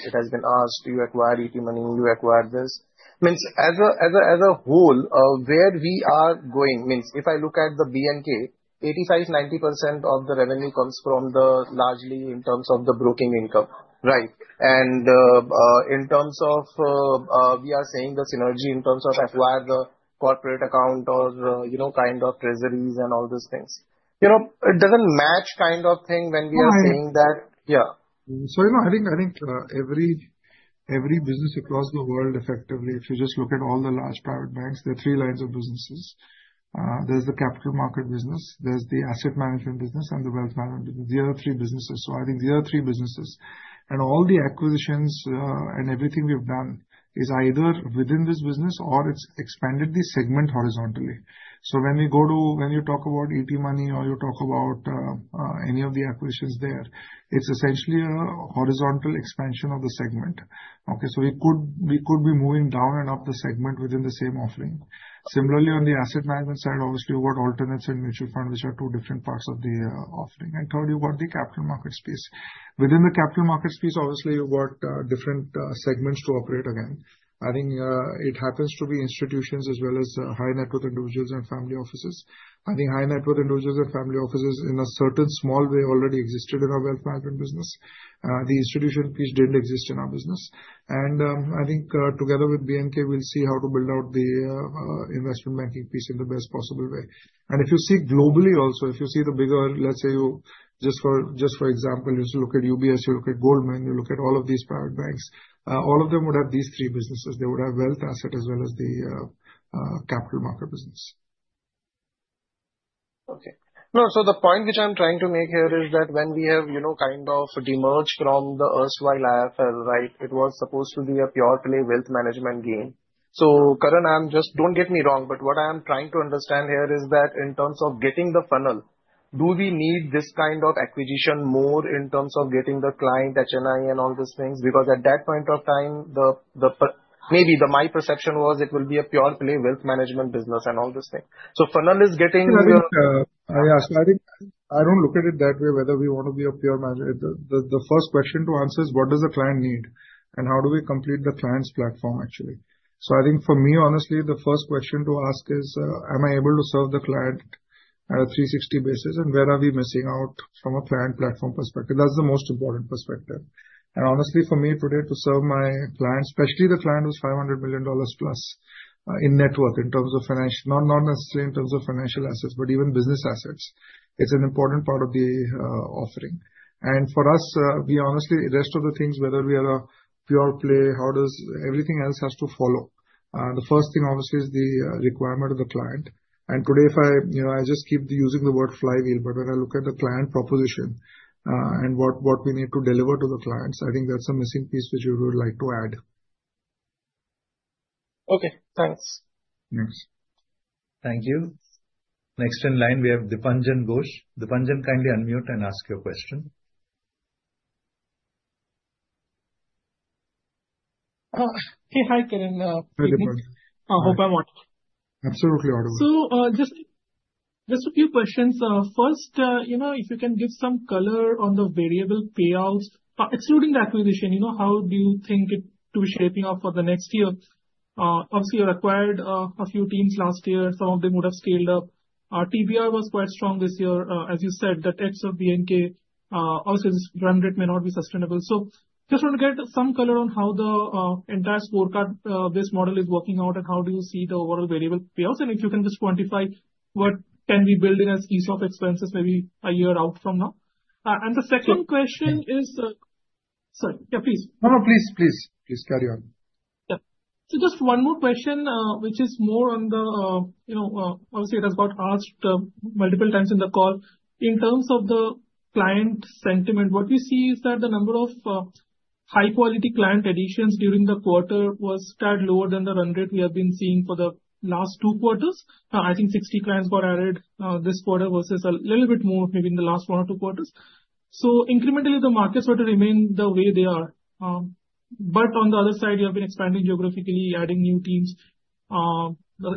it has been asked, do you acquire ET Money? Do you acquire this? Means as a whole, where we are going means if I look at the B&K, 85%-90% of the revenue comes from largely in terms of the broking income, right? And in terms of we are saying the synergy in terms of acquire the corporate account or kind of treasuries and all these things. It doesn't match kind of thing when we are saying that. Sorry, I think every business across the world effectively, if you just look at all the large private banks, there are three lines of businesses. There's the capital market business, there's the asset management business, and the wealth management business. These are the three businesses. So I think these are the three businesses. And all the acquisitions and everything we've done is either within this business or it's expanded the segment horizontally. So when you talk about ET Money or you talk about any of the acquisitions there, it's essentially a horizontal expansion of the segment. Okay. So we could be moving down and up the segment within the same offering. Similarly, on the asset management side, obviously you've got alternates and mutual fund, which are two different parts of the offering. And third, you've got the capital market space. Within the capital market space, obviously you've got different segments to operate again. I think it happens to be institutions as well as high net worth individuals and family offices. I think high net worth individuals and family offices in a certain small way already existed in our wealth management business. The institution piece didn't exist in our business. And I think together with B&K, we'll see how to build out the investment banking piece in the best possible way. And if you see globally also, if you see the bigger, let's say just for example, you look at UBS, you look at Goldman, you look at all of these private banks, all of them would have these three businesses. They would have wealth asset as well as the capital market business. Okay. No, so the point which I'm trying to make here is that when we have kind of demerged from the erstwhile IIFL, right, it was supposed to be a pure play wealth management game. So Karan, don't get me wrong, but what I am trying to understand here is that in terms of getting the funnel, do we need this kind of acquisition more in terms of getting the client HNI and all these things? Because at that point of time, maybe my perception was it will be a pure play wealth management business and all these things. So funnel is getting. Yeah, so I think I don't look at it that way, whether we want to be a pure management. The first question to answer is what does the client need and how do we complement the client's platform, actually? I think for me, honestly, the first question to ask is, am I able to serve the client at a 360 basis and where are we missing out from a client platform perspective? That's the most important perspective. And honestly, for me today, to serve my client, especially the client with $500 million-plus net worth in terms of financial, not necessarily in terms of financial assets, but even business assets. It's an important part of the offering. And for us, we honestly, rest of the things, whether we are a pure play, how does everything else has to follow. The first thing obviously is the requirement of the client. Today, if I just keep using the word flywheel, but when I look at the client proposition and what we need to deliver to the clients, I think that's a missing piece which we would like to add. Okay. Thanks. Thanks. Thank you. Next in line, we have Dipanjan Ghosh. Dipanjan, kindly unmute and ask your question. Hey, hi Karan. Hi, Dipanjan. I hope I'm audible. Absolutely audible. So just a few questions. First, if you can give some color on the variable payouts, excluding the acquisition, how do you think it will be shaping up for the next year? Obviously, you acquired a few teams last year. Some of them would have scaled up. TBR was quite strong this year. As you said, the ex of B&K, obviously, this run rate may not be sustainable. So just want to get some color on how the entire scorecard-based model is working out and how do you see the overall variable payouts? And if you can just quantify what can we build in as ESOP expenses maybe a year out from now? And the second question is. Sorry. Sorry. Yeah, please. No, no, please, please. Please carry on. Yeah, so just one more question, which is more on the obvious. It has got asked multiple times in the call. In terms of the client sentiment, what we see is that the number of high-quality client additions during the quarter was quite lower than the run rate we have been seeing for the last two quarters. I think 60 clients got added this quarter versus a little bit more maybe in the last one or two quarters. So, incrementally, the markets were to remain the way they are. But on the other side, you have been expanding geographically, adding new teams,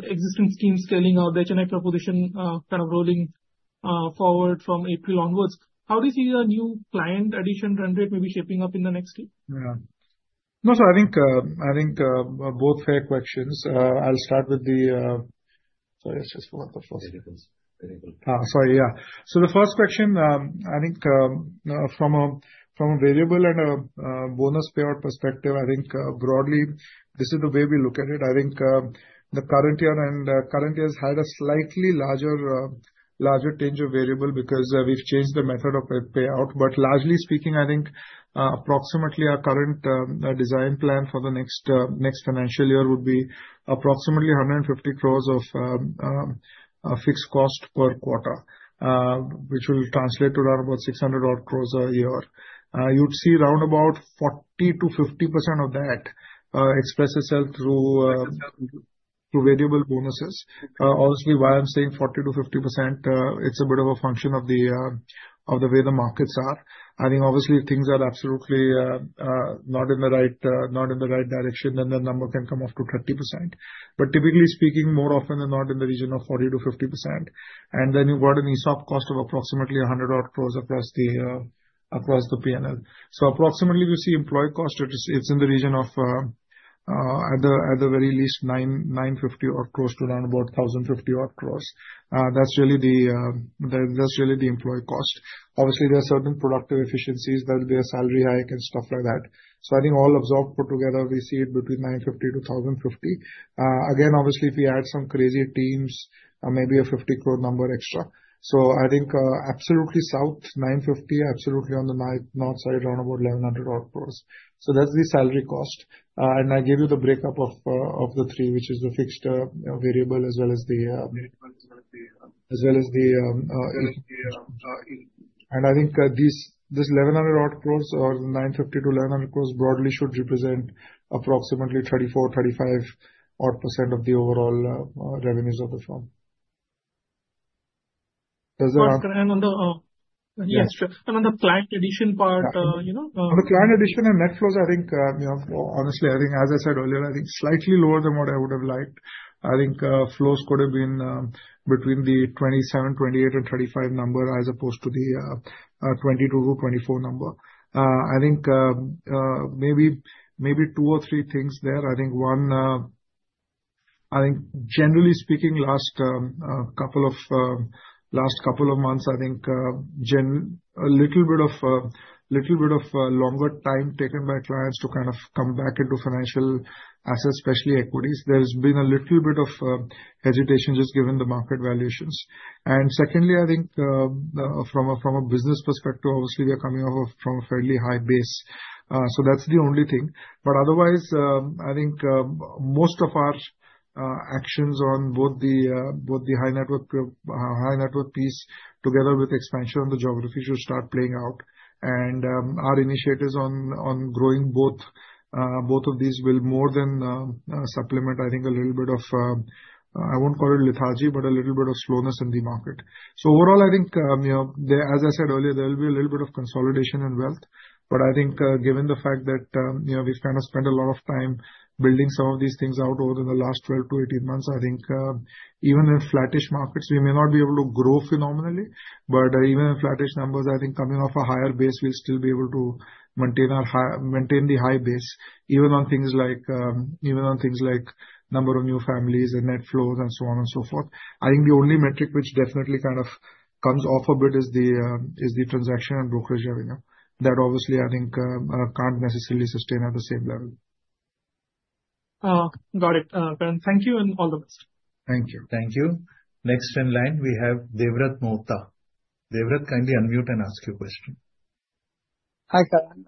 existing teams scaling out, the HNI proposition kind of rolling forward from April onwards. How do you see the new client addition run rate maybe shaping up in the next year? Yeah. No, so I think both fair questions. I'll start with the, sorry. I just forgot the first. Sorry, yeah. So the first question, I think from a variable and a bonus payout perspective, I think broadly, this is the way we look at it. I think the current year and current year has had a slightly larger change of variable because we've changed the method of payout. But largely speaking, I think approximately our current design plan for the next financial year would be approximately 150 crores of fixed cost per quarter, which will translate to around about 600 crores a year. You'd see around about 40%-50% of that express itself through variable bonuses. Obviously, why I'm saying 40%-50%, it's a bit of a function of the way the markets are. I think obviously things are absolutely not in the right direction, then the number can come up to 30%. But typically speaking, more often than not in the region of 40%-50%. And then you've got an ESOP cost of approximately 100 crores across the P&L. So approximately we see employee cost, it's in the region of at the very least 950 crores to around about 1,050 crores. That's really the employee cost. Obviously, there are certain productive efficiencies, whether they are salary hike and stuff like that. So I think all absorbed put together, we see it between 950 crores to 1,050 crores. Again, obviously, if we add some crazy teams, maybe a 50 crore number extra. So I think absolutely south, 950 crores, absolutely on the north side, around about 1,100 crores. So that's the salary cost. And I gave you the breakup of the three, which is the fixed variable as well as the. I think this 1,100 crores or the 950-1,100 crores broadly should represent approximately 34%-35% odd of the overall revenues of the firm. On the client addition part. On the client addition and net flows, I think honestly, I think as I said earlier, I think slightly lower than what I would have liked. I think flows could have been between the 27, 28, and 35 number as opposed to the 22-24 number. I think maybe two or three things there. I think one, I think generally speaking, last couple of months, I think a little bit of longer time taken by clients to kind of come back into financial assets, especially equities. There's been a little bit of hesitation just given the market valuations. And secondly, I think from a business perspective, obviously we are coming off from a fairly high base. So that's the only thing. But otherwise, I think most of our actions on both the high net worth piece together with expansion on the geography should start playing out. And our initiatives on growing both of these will more than supplement, I think a little bit of, I won't call it lethargy, but a little bit of slowness in the market. So overall, I think as I said earlier, there will be a little bit of consolidation and wealth. But I think given the fact that we've kind of spent a lot of time building some of these things out over the last 12-18 months, I think even in flattish markets, we may not be able to grow phenomenally. But even in flattish numbers, I think coming off a higher base, we'll still be able to maintain the high base, even on things like number of new families and net flows and so on and so forth. I think the only metric which definitely kind of comes off a bit is the transaction and brokerage revenue that obviously I think can't necessarily sustain at the same level. Got it. Thank you and all the best. Thank you. Thank you. Next in line, we have Devvrat Mohta. Devvrat, kindly unmute and ask your question. Hi, Karan.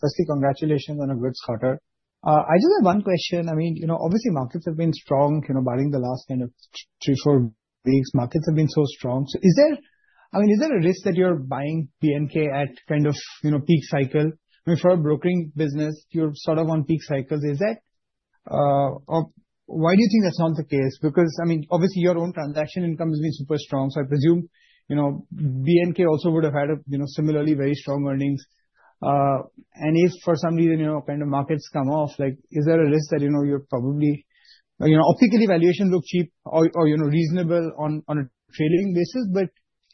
Firstly, congratulations on a good quarter. I just have one question. I mean, obviously markets have been strong. Barring the last kind of three, four weeks, markets have been so strong. So I mean, is there a risk that you're buying B&K at kind of peak cycle? I mean, for a brokering business, you're sort of on peak cycles. Why do you think that's not the case? Because I mean, obviously your own transaction income has been super strong. So I presume B&K also would have had similarly very strong earnings. And if for some reason kind of markets come off, is there a risk that you're probably optically, valuation looks cheap or reasonable on a trailing basis? But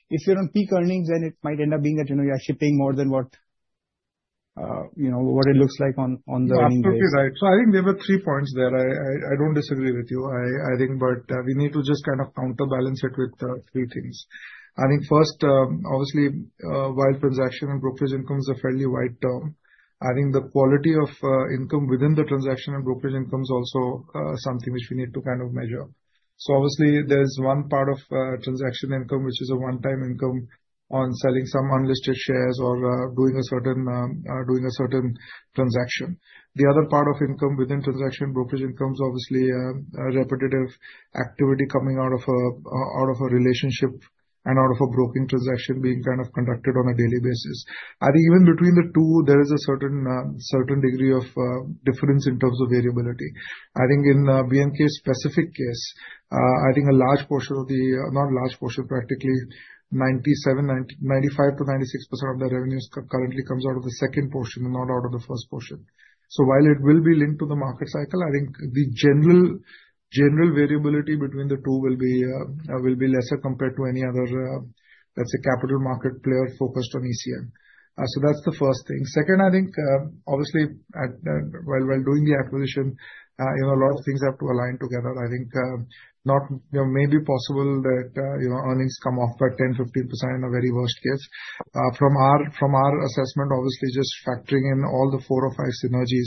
if you're on peak earnings, then it might end up being that you're actually paying more than what it looks like on the earnings rate. That's totally right. So I think there were three points there. I don't disagree with you, I think, but we need to just kind of counterbalance it with three things. I think first, obviously while transaction and brokerage incomes are fairly wide term, I think the quality of income within the transaction and brokerage income is also something which we need to kind of measure. So obviously there's one part of transaction income, which is a one-time income on selling some unlisted shares or doing a certain transaction. The other part of income within transaction brokerage income is obviously repetitive activity coming out of a relationship and out of a broking transaction being kind of conducted on a daily basis. I think even between the two, there is a certain degree of difference in terms of variability. I think in B&K's specific case, I think a large portion of the, not large portion, practically 97%, 95%-96% of the revenues currently comes out of the second portion, not out of the first portion. So while it will be linked to the market cycle, I think the general variability between the two will be lesser compared to any other, let's say, capital market player focused on ECM. So that's the first thing. Second, I think obviously while doing the acquisition, a lot of things have to align together. I think it may be possible that earnings come off by 10%-15% in a very worst case. From our assessment, obviously just factoring in all the four or five synergies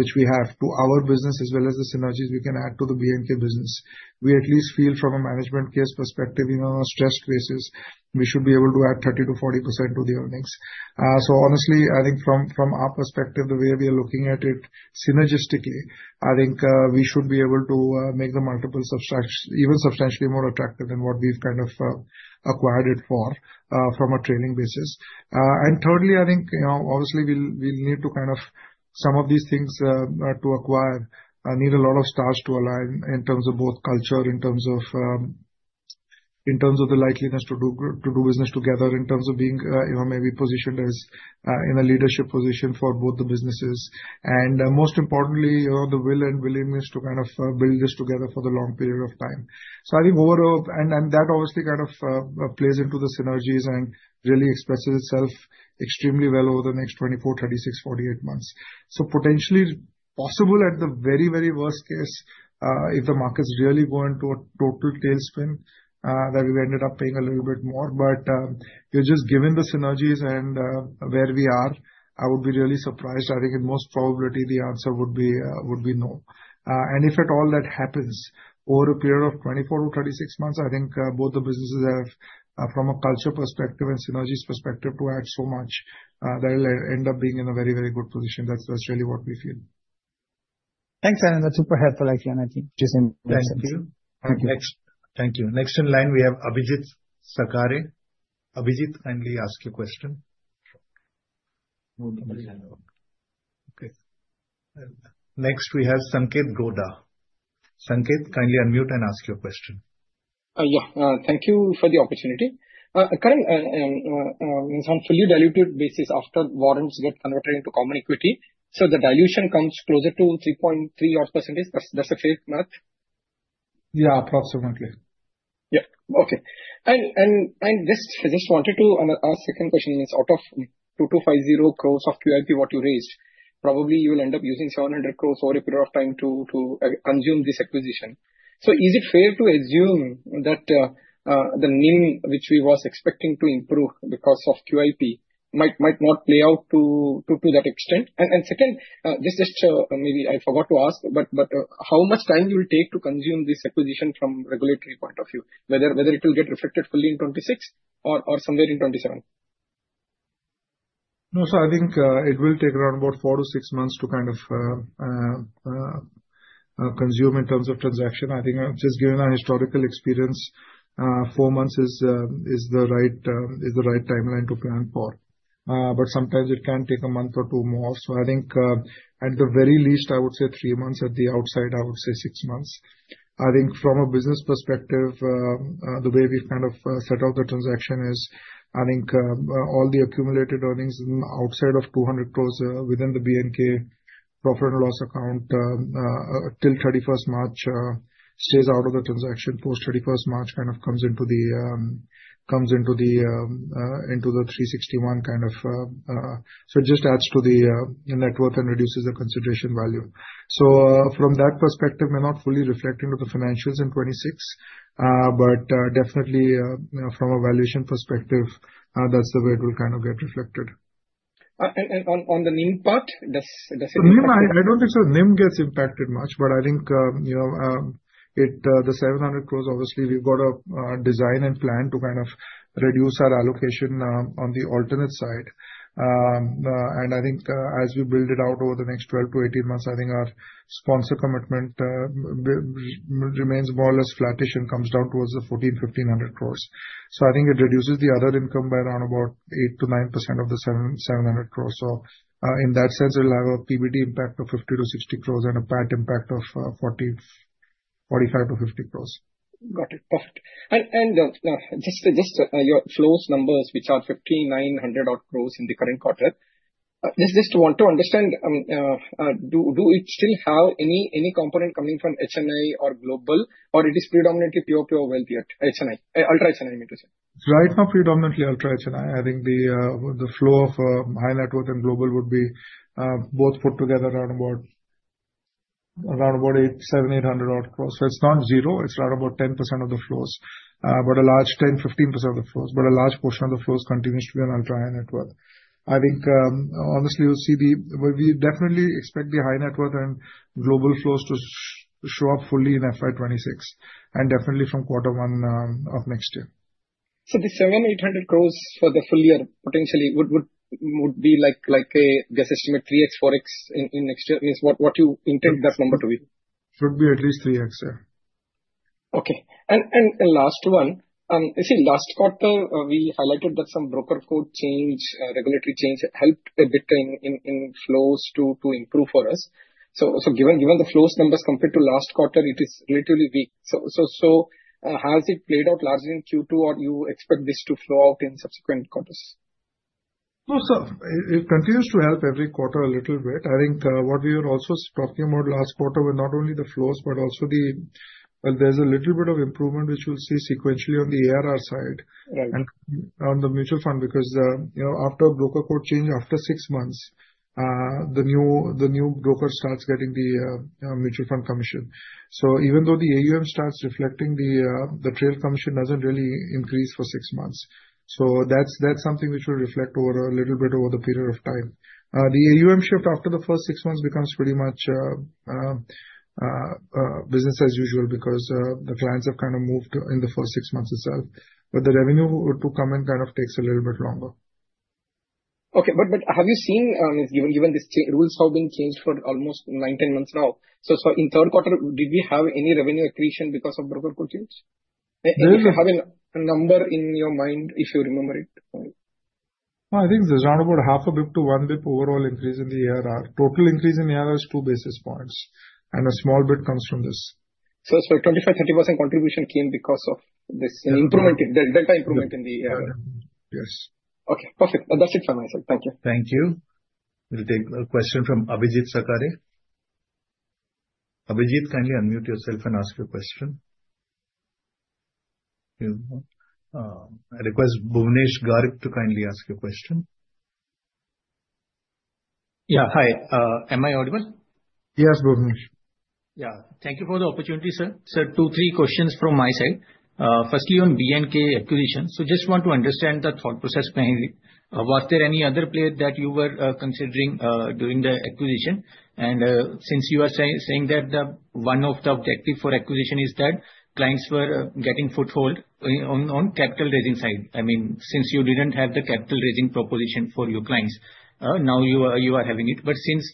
which we have to our business as well as the synergies we can add to the B&K business, we at least feel from a management case perspective, in a stressed cases, we should be able to add 30%-40% to the earnings. So honestly, I think from our perspective, the way we are looking at it synergistically, I think we should be able to make the multiple even substantially more attractive than what we've kind of acquired it for from a trailing basis. And thirdly, I think obviously we'll need to kind of some of these things to acquire need a lot of stars to align in terms of both culture, in terms of the likeliness to do business together, in terms of being maybe positioned in a leadership position for both the businesses. And most importantly, the will and willingness to kind of build this together for the long period of time. So I think overall, and that obviously kind of plays into the synergies and really expresses itself extremely well over the next 24, 36, 48 months. So potentially possible at the very, very worst case if the market's really going to a total tailspin that we ended up paying a little bit more. But just given the synergies and where we are, I would be really surprised. I think in most probability, the answer would be no. And if at all that happens over a period of 24-36 months, I think both the businesses have from a culture perspective and synergies perspective to add so much that it'll end up being in a very, very good position. That's really what we feel. Thanks, Karan. That's super helpful, actually. And I think just in that sense. Thank you. Thank you. Next in line, we have Abhijit Sakhare. Abhijit, kindly ask your question. Okay. Next, we have Sanketh Godha. Sanketh, kindly unmute and ask your question. Yeah. Thank you for the opportunity. Karan, on fully diluted basis, after warrants get converted into common equity, so the dilution comes closer to 3.3-odd %. That's a fair math? Yeah, approximately. Yeah. Okay. And I just wanted to ask a second question. Out of 2,250 crores of QIP what you raised, probably you'll end up using 700 crores over a period of time to consume this acquisition. So is it fair to assume that the NIM, which we was expecting to improve because of QIP, might not play out to that extent? And second, this is just maybe I forgot to ask, but how much time will it take to consume this acquisition from a regulatory point of view, whether it will get reflected fully in 2026 or somewhere in 2027? No, so I think it will take around about four to six months to kind of consume in terms of transaction. I think just given our historical experience, four months is the right timeline to plan for. But sometimes it can take a month or two more. So I think at the very least, I would say three months. At the outside, I would say six months. I think from a business perspective, the way we've kind of set out the transaction is I think all the accumulated earnings outside of 200 crores within the B&K profit and loss account till 31st March stays out of the transaction. Post 31st March kind of comes into the 360 ONE kind of. So it just adds to the net worth and reduces the consideration value. So from that perspective, we're not fully reflecting to the financials in 2026, but definitely from a valuation perspective, that's the way it will kind of get reflected. On the NIM part, does it? I don't think so. NIM gets impacted much, but I think the 700 crores, obviously we've got a design and plan to kind of reduce our allocation on the alternative side. And I think as we build it out over the next 12-18 months, I think our sponsor commitment remains more or less flattish and comes down towards the 1,400-1,500 crores. So I think it reduces the other income by around about 8%-9% of the 700 crores. So in that sense, it'll have a PBT impact of 50-60 crores and a PAT impact of 45-50 crores. Got it. Perfect. And just your flows numbers, which are 5,900 crores in the current quarter, just want to understand, does it still have any component coming from HNI or global, or is it predominantly pure wealth yet? HNI, Ultra HNI, I mean to say. Right now, predominantly Ultra HNI. I think the flow of high net worth and global would be both put together around about 7,800 odd crores. So it's not zero. It's around about 10% of the flows, but a large 10%-15% of the flows, but a large portion of the flows continues to be on ultra high net worth. I think honestly, you'll see we definitely expect the high net worth and global flows to show up fully in FY 2026 and definitely from quarter one of next year. So the 700-800 crores for the full year potentially would be like a guess estimate 3x, 4x in next year. What do you intend that number to be? Should be at least 3x, yeah. Okay. And last one, you see last quarter, we highlighted that some broker code change, regulatory change helped a bit in flows to improve for us. So given the flows numbers compared to last quarter, it is relatively weak. So has it played out largely in Q2, or do you expect this to flow out in subsequent quarters? No, so it continues to help every quarter a little bit. I think what we were also talking about last quarter were not only the flows, but also there's a little bit of improvement, which we'll see sequentially on the ARR side and on the mutual fund because after a broker code change, after six months, the new broker starts getting the mutual fund commission. So even though the AUM starts reflecting, the trail commission doesn't really increase for six months. So that's something which will reflect over a little bit over the period of time. The AUM shift after the first six months becomes pretty much business as usual because the clients have kind of moved in the first six months itself. But the revenue to come in kind of takes a little bit longer. Okay. But have you seen, given these rules have been changed for almost nine, 10 months now? So in third quarter, did we have any revenue accretion because of broker code change? Do you have a number in your mind if you remember it? No, I think there's around about half a basis point to one basis point overall increase in the ARR. Total increase in ARR is two basis points. And a small bit comes from this. So 25%-30% contribution came because of this delta improvement in the ARR? Yes. Okay. Perfect. That's it for my side. Thank you. Thank you. We'll take a question from Abhijit Sakhare. Abhijit, kindly unmute yourself and ask your question. I request Bhuvnesh Garg to kindly ask your question. Yeah. Hi. Am I audible? Yes, Bhuvnesh. Yeah. Thank you for the opportunity, sir. So two, three questions from my side. Firstly, on B&K acquisition. So just want to understand the thought process behind it. Was there any other play that you were considering during the acquisition? And since you are saying that one of the objectives for acquisition is that clients were getting foothold on capital raising side. I mean, since you didn't have the capital raising proposition for your clients, now you are having it. But since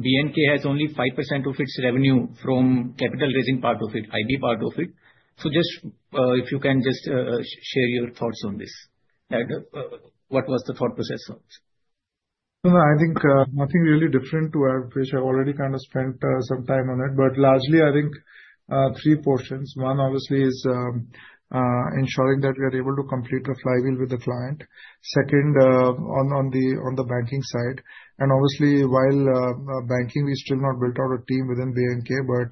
B&K has only 5% of its revenue from capital raising part of it, IB part of it, so just if you can just share your thoughts on this. What was the thought process? I think nothing really different to which I've already kind of spent some time on it. But largely, I think three portions. One, obviously, is ensuring that we are able to complete a flywheel with the client. Second, on the banking side. And obviously, while banking, we still not built out a team within B&K, but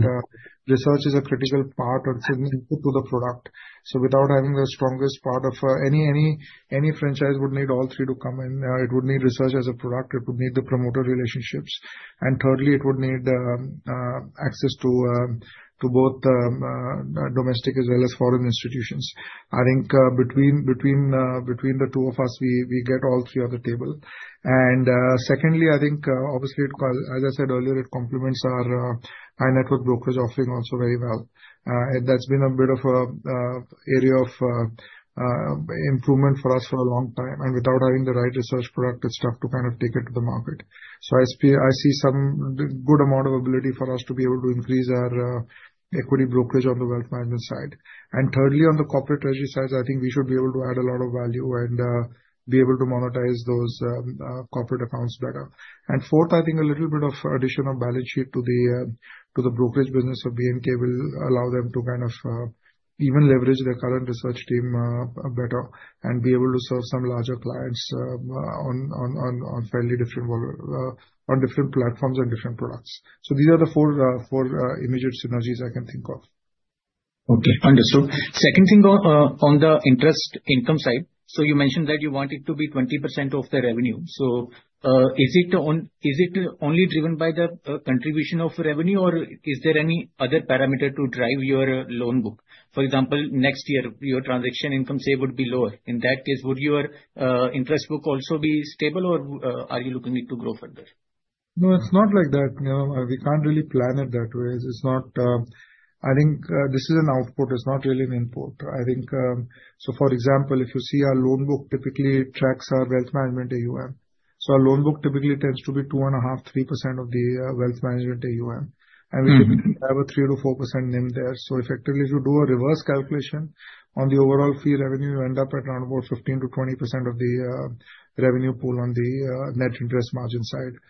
research is a critical part of the product. So without having the strongest part of any franchise would need all three to come in. It would need research as a product. It would need the promoter relationships. And thirdly, it would need access to both domestic as well as foreign institutions. I think between the two of us, we get all three on the table. And secondly, I think obviously, as I said earlier, it complements our high net worth brokerage offering also very well. That's been a bit of an area of improvement for us for a long time. And without having the right research product, it's tough to kind of take it to the market. So I see some good amount of ability for us to be able to increase our equity brokerage on the wealth management side. And thirdly, on the corporate treasury side, I think we should be able to add a lot of value and be able to monetize those corporate accounts better. And fourth, I think a little bit of addition of balance sheet to the brokerage business of B&K will allow them to kind of even leverage their current research team better and be able to serve some larger clients on fairly different platforms and different products. So these are the four immediate synergies I can think of. Okay. Understood. Second thing on the interest income side. So you mentioned that you want it to be 20% of the revenue. So is it only driven by the contribution of revenue, or is there any other parameter to drive your loan book? For example, next year, your transaction income, say, would be lower. In that case, would your interest book also be stable, or are you looking to grow further? No, it's not like that. We can't really plan it that way. I think this is an output. It's not really an input. I think, so for example, if you see our loan book, typically it tracks our wealth management AUM. So our loan book typically tends to be 2.5%-3% of the wealth management AUM, and we typically have a 3%-4% NIM there. So effectively, if you do a reverse calculation on the overall fee revenue, you end up at around about 15%-20% of the revenue pool on the net interest margin side.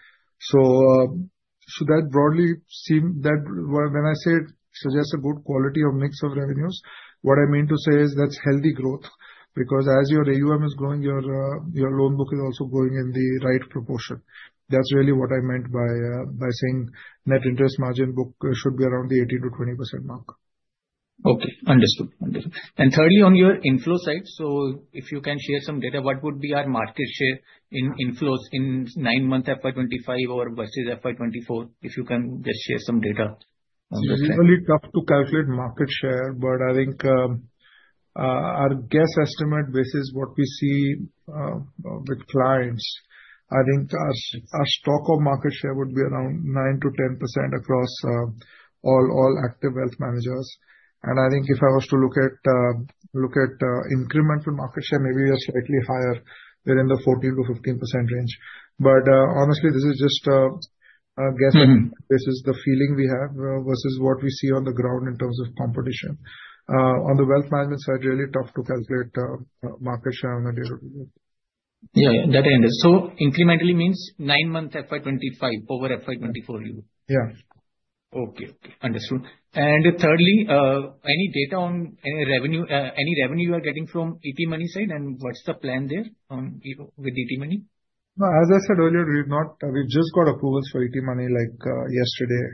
So should that broadly seem that when I say it suggests a good quality or mix of revenues, what I mean to say is that's healthy growth because as your AUM is growing, your loan book is also growing in the right proportion. That's really what I meant by saying net interest margin book should be around the 18%-20% mark. Okay. Understood. And thirdly, on your inflow side, so if you can share some data, what would be our market share in inflows in nine months FY 2025 versus FY 2024? If you can just share some data on that side. It's really tough to calculate market share, but I think our guess estimate basis what we see with clients. I think our stock of market share would be around 9%-10% across all active wealth managers. And I think if I was to look at incremental market share, maybe we are slightly higher. We're in the 14%-15% range. But honestly, this is just a guess. This is the feeling we have versus what we see on the ground in terms of competition. On the wealth management side, really tough to calculate market share on a day-to-day. Yeah. That I understand. So incrementally means nine months FY 2025 over FY 2024? Yeah. Okay. Okay. Understood. And thirdly, any data on any revenue you are getting from ET Money side? And what's the plan there with ET Money? As I said earlier, we've just got approvals for ET Money like yesterday,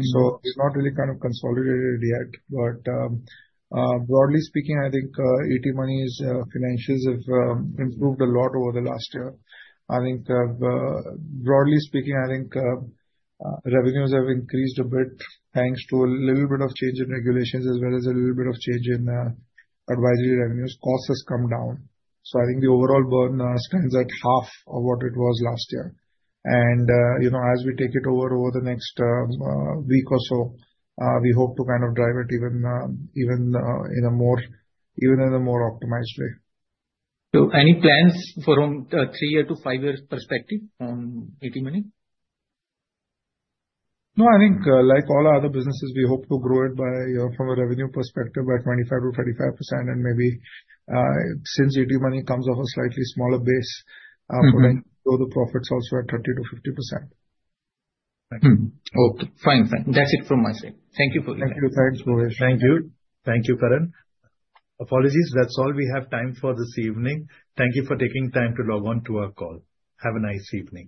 so it's not really kind of consolidated yet, but broadly speaking, I think ET Money's financials have improved a lot over the last year. I think broadly speaking, I think revenues have increased a bit thanks to a little bit of change in regulations as well as a little bit of change in advisory revenues. Costs have come down, so I think the overall burn stands at half of what it was last year, and as we take it over the next week or so, we hope to kind of drive it even in a more optimized way. Any plans for a three-year to five-year perspective on ET Money? No, I think like all our other businesses, we hope to grow it from a revenue perspective by 25%-35%. And maybe since ET Money comes off a slightly smaller base, we'll grow the profits also at 30%-50%. Okay. Fine. Fine. That's it from my side. Thank you for your time. Thank you. Thanks, Bhuvnesh. Thank you. Thank you, Karan. Apologies. That's all we have time for this evening. Thank you for taking time to log on to our call. Have a nice evening.